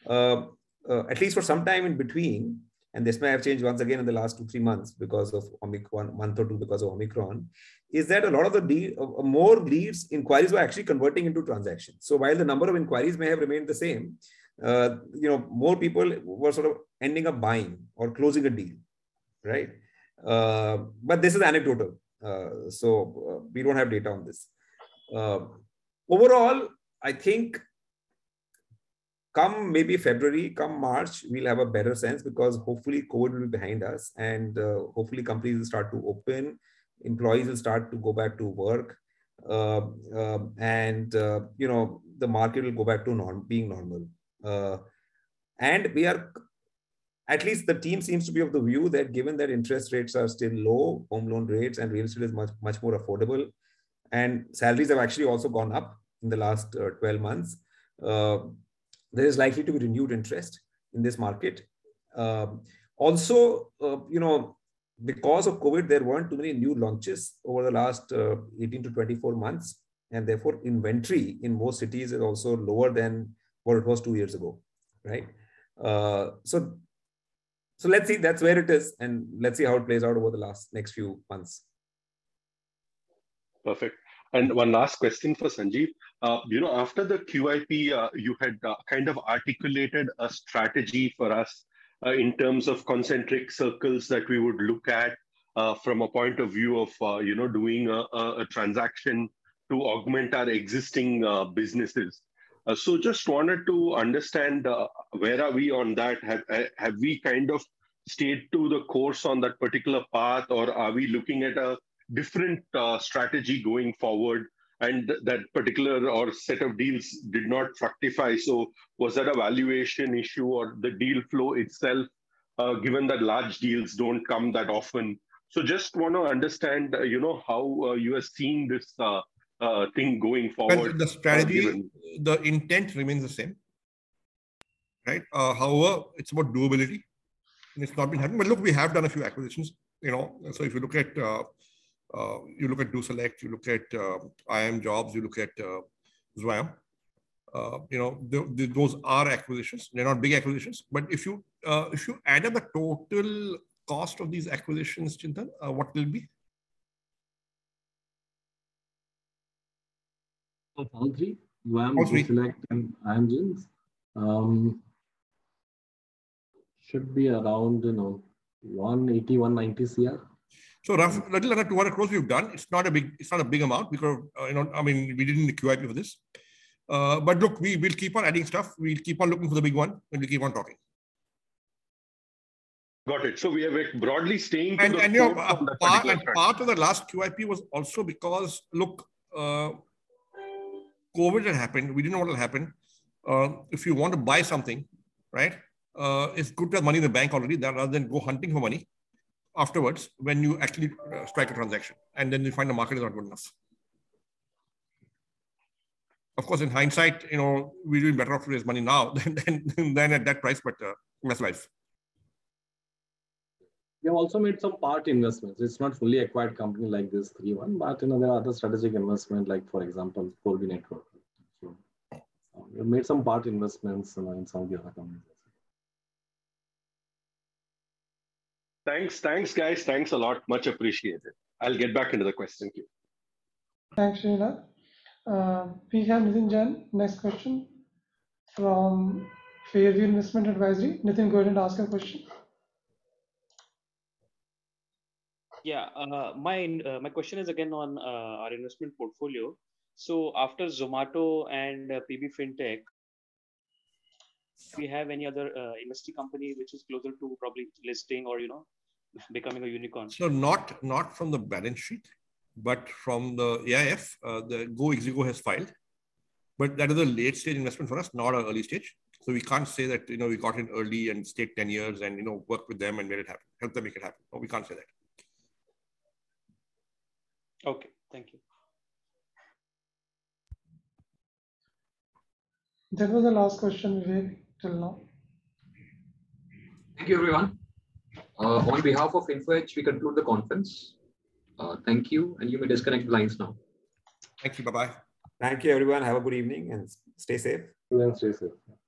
at least for some time in between, and this may have changed once again in the last two or three months because of Omicron a month or two, is that a lot more leads, inquiries were actually converting into transactions. While the number of inquiries may have remained the same, you know, more people were sort of ending up buying or closing a deal, right? But this is anecdotal, so we don't have data on this. Overall, I think come maybe February, come March, we'll have a better sense because hopefully COVID will be behind us and, hopefully companies will start to open, employees will start to go back to work. You know, the market will go back to normal. At least the team seems to be of the view that given that interest rates are still low, home loan rates and real estate is much, much more affordable, and salaries have actually also gone up in the last 12 months, there is likely to be renewed interest in this market. Because of COVID, there weren't too many new launches over the last 18-24 months, and therefore inventory in most cities is also lower than what it was two years ago, right? Let's see. That's where it is, and let's see how it plays out over the next few months. Perfect. One last question for Sanjeev. You know, after the QIP, you had kind of articulated a strategy for us in terms of concentric circles that we would look at from a point of view of you know, doing a transaction to augment our existing businesses. Just wanted to understand where are we on that? Have we kind of stayed to the course on that particular path, or are we looking at a different strategy going forward and that particular or set of deals did not fructify? Was that a valuation issue or the deal flow itself given that large deals don't come that often? Just wanna understand you know, how you are seeing this thing going forward. Well, the strategy, the intent remains the same, right? However, it's about durability, and it's not been happening. Look, we have done a few acquisitions, you know. So if you look at DoSelect, you look at iimjobs, you look at Zomato. You know, those are acquisitions. They're not big acquisitions. If you add up the total cost of these acquisitions, Chintan, what will it be? Of all three, Zomato. Of three. DoSelect and iimjobs should be around, you know, INR 180 crore-INR 190 crore. We've done roughly around INR 200 crore. It's not a big amount because, you know, I mean, we didn't need QIP for this. But look, we'll keep on adding stuff. We'll keep on looking for the big one, and we keep on talking. Got it. We have been broadly staying to the A part of the last QIP was also because, look, COVID had happened. We didn't know what will happen. If you want to buy something, right, it's good to have money in the bank already rather than go hunting for money afterwards when you actually strike a transaction and then you find the market is not good enough. Of course, in hindsight, you know, we're doing better off to raise money now than at that price, but that's life. We have also made some part investments. It's not fully acquired company like this three one, but, you know, there are other strategic investment like, for example, 4B Networks. We've made some part investments in some of the other companies. Thanks. Thanks, guys. Thanks a lot. Much appreciated. I'll get back into the questions queue. Thanks, Srinath. We have Nitin Jain, next question from Fairview Investment Advisory. Nitin, go ahead and ask your question. Yeah. My question is again on our investment portfolio. After Zomato and PB Fintech, do we have any other investee company which is closer to probably listing or, you know, becoming a unicorn? Not from the balance sheet, but from the AIF, the GoMechanic has filed. That is a late-stage investment for us, not an early stage. We can't say that, you know, we got in early and stayed 10 years and, you know, worked with them and made it happen, helped them make it happen. No, we can't say that. Okay. Thank you. That was the last question we have till now. Thank you, everyone. On behalf of Info Edge, we conclude the conference. Thank you, and you may disconnect lines now. Thank you. Bye-bye. Thank you, everyone. Have a good evening, and stay safe. See you, and stay safe.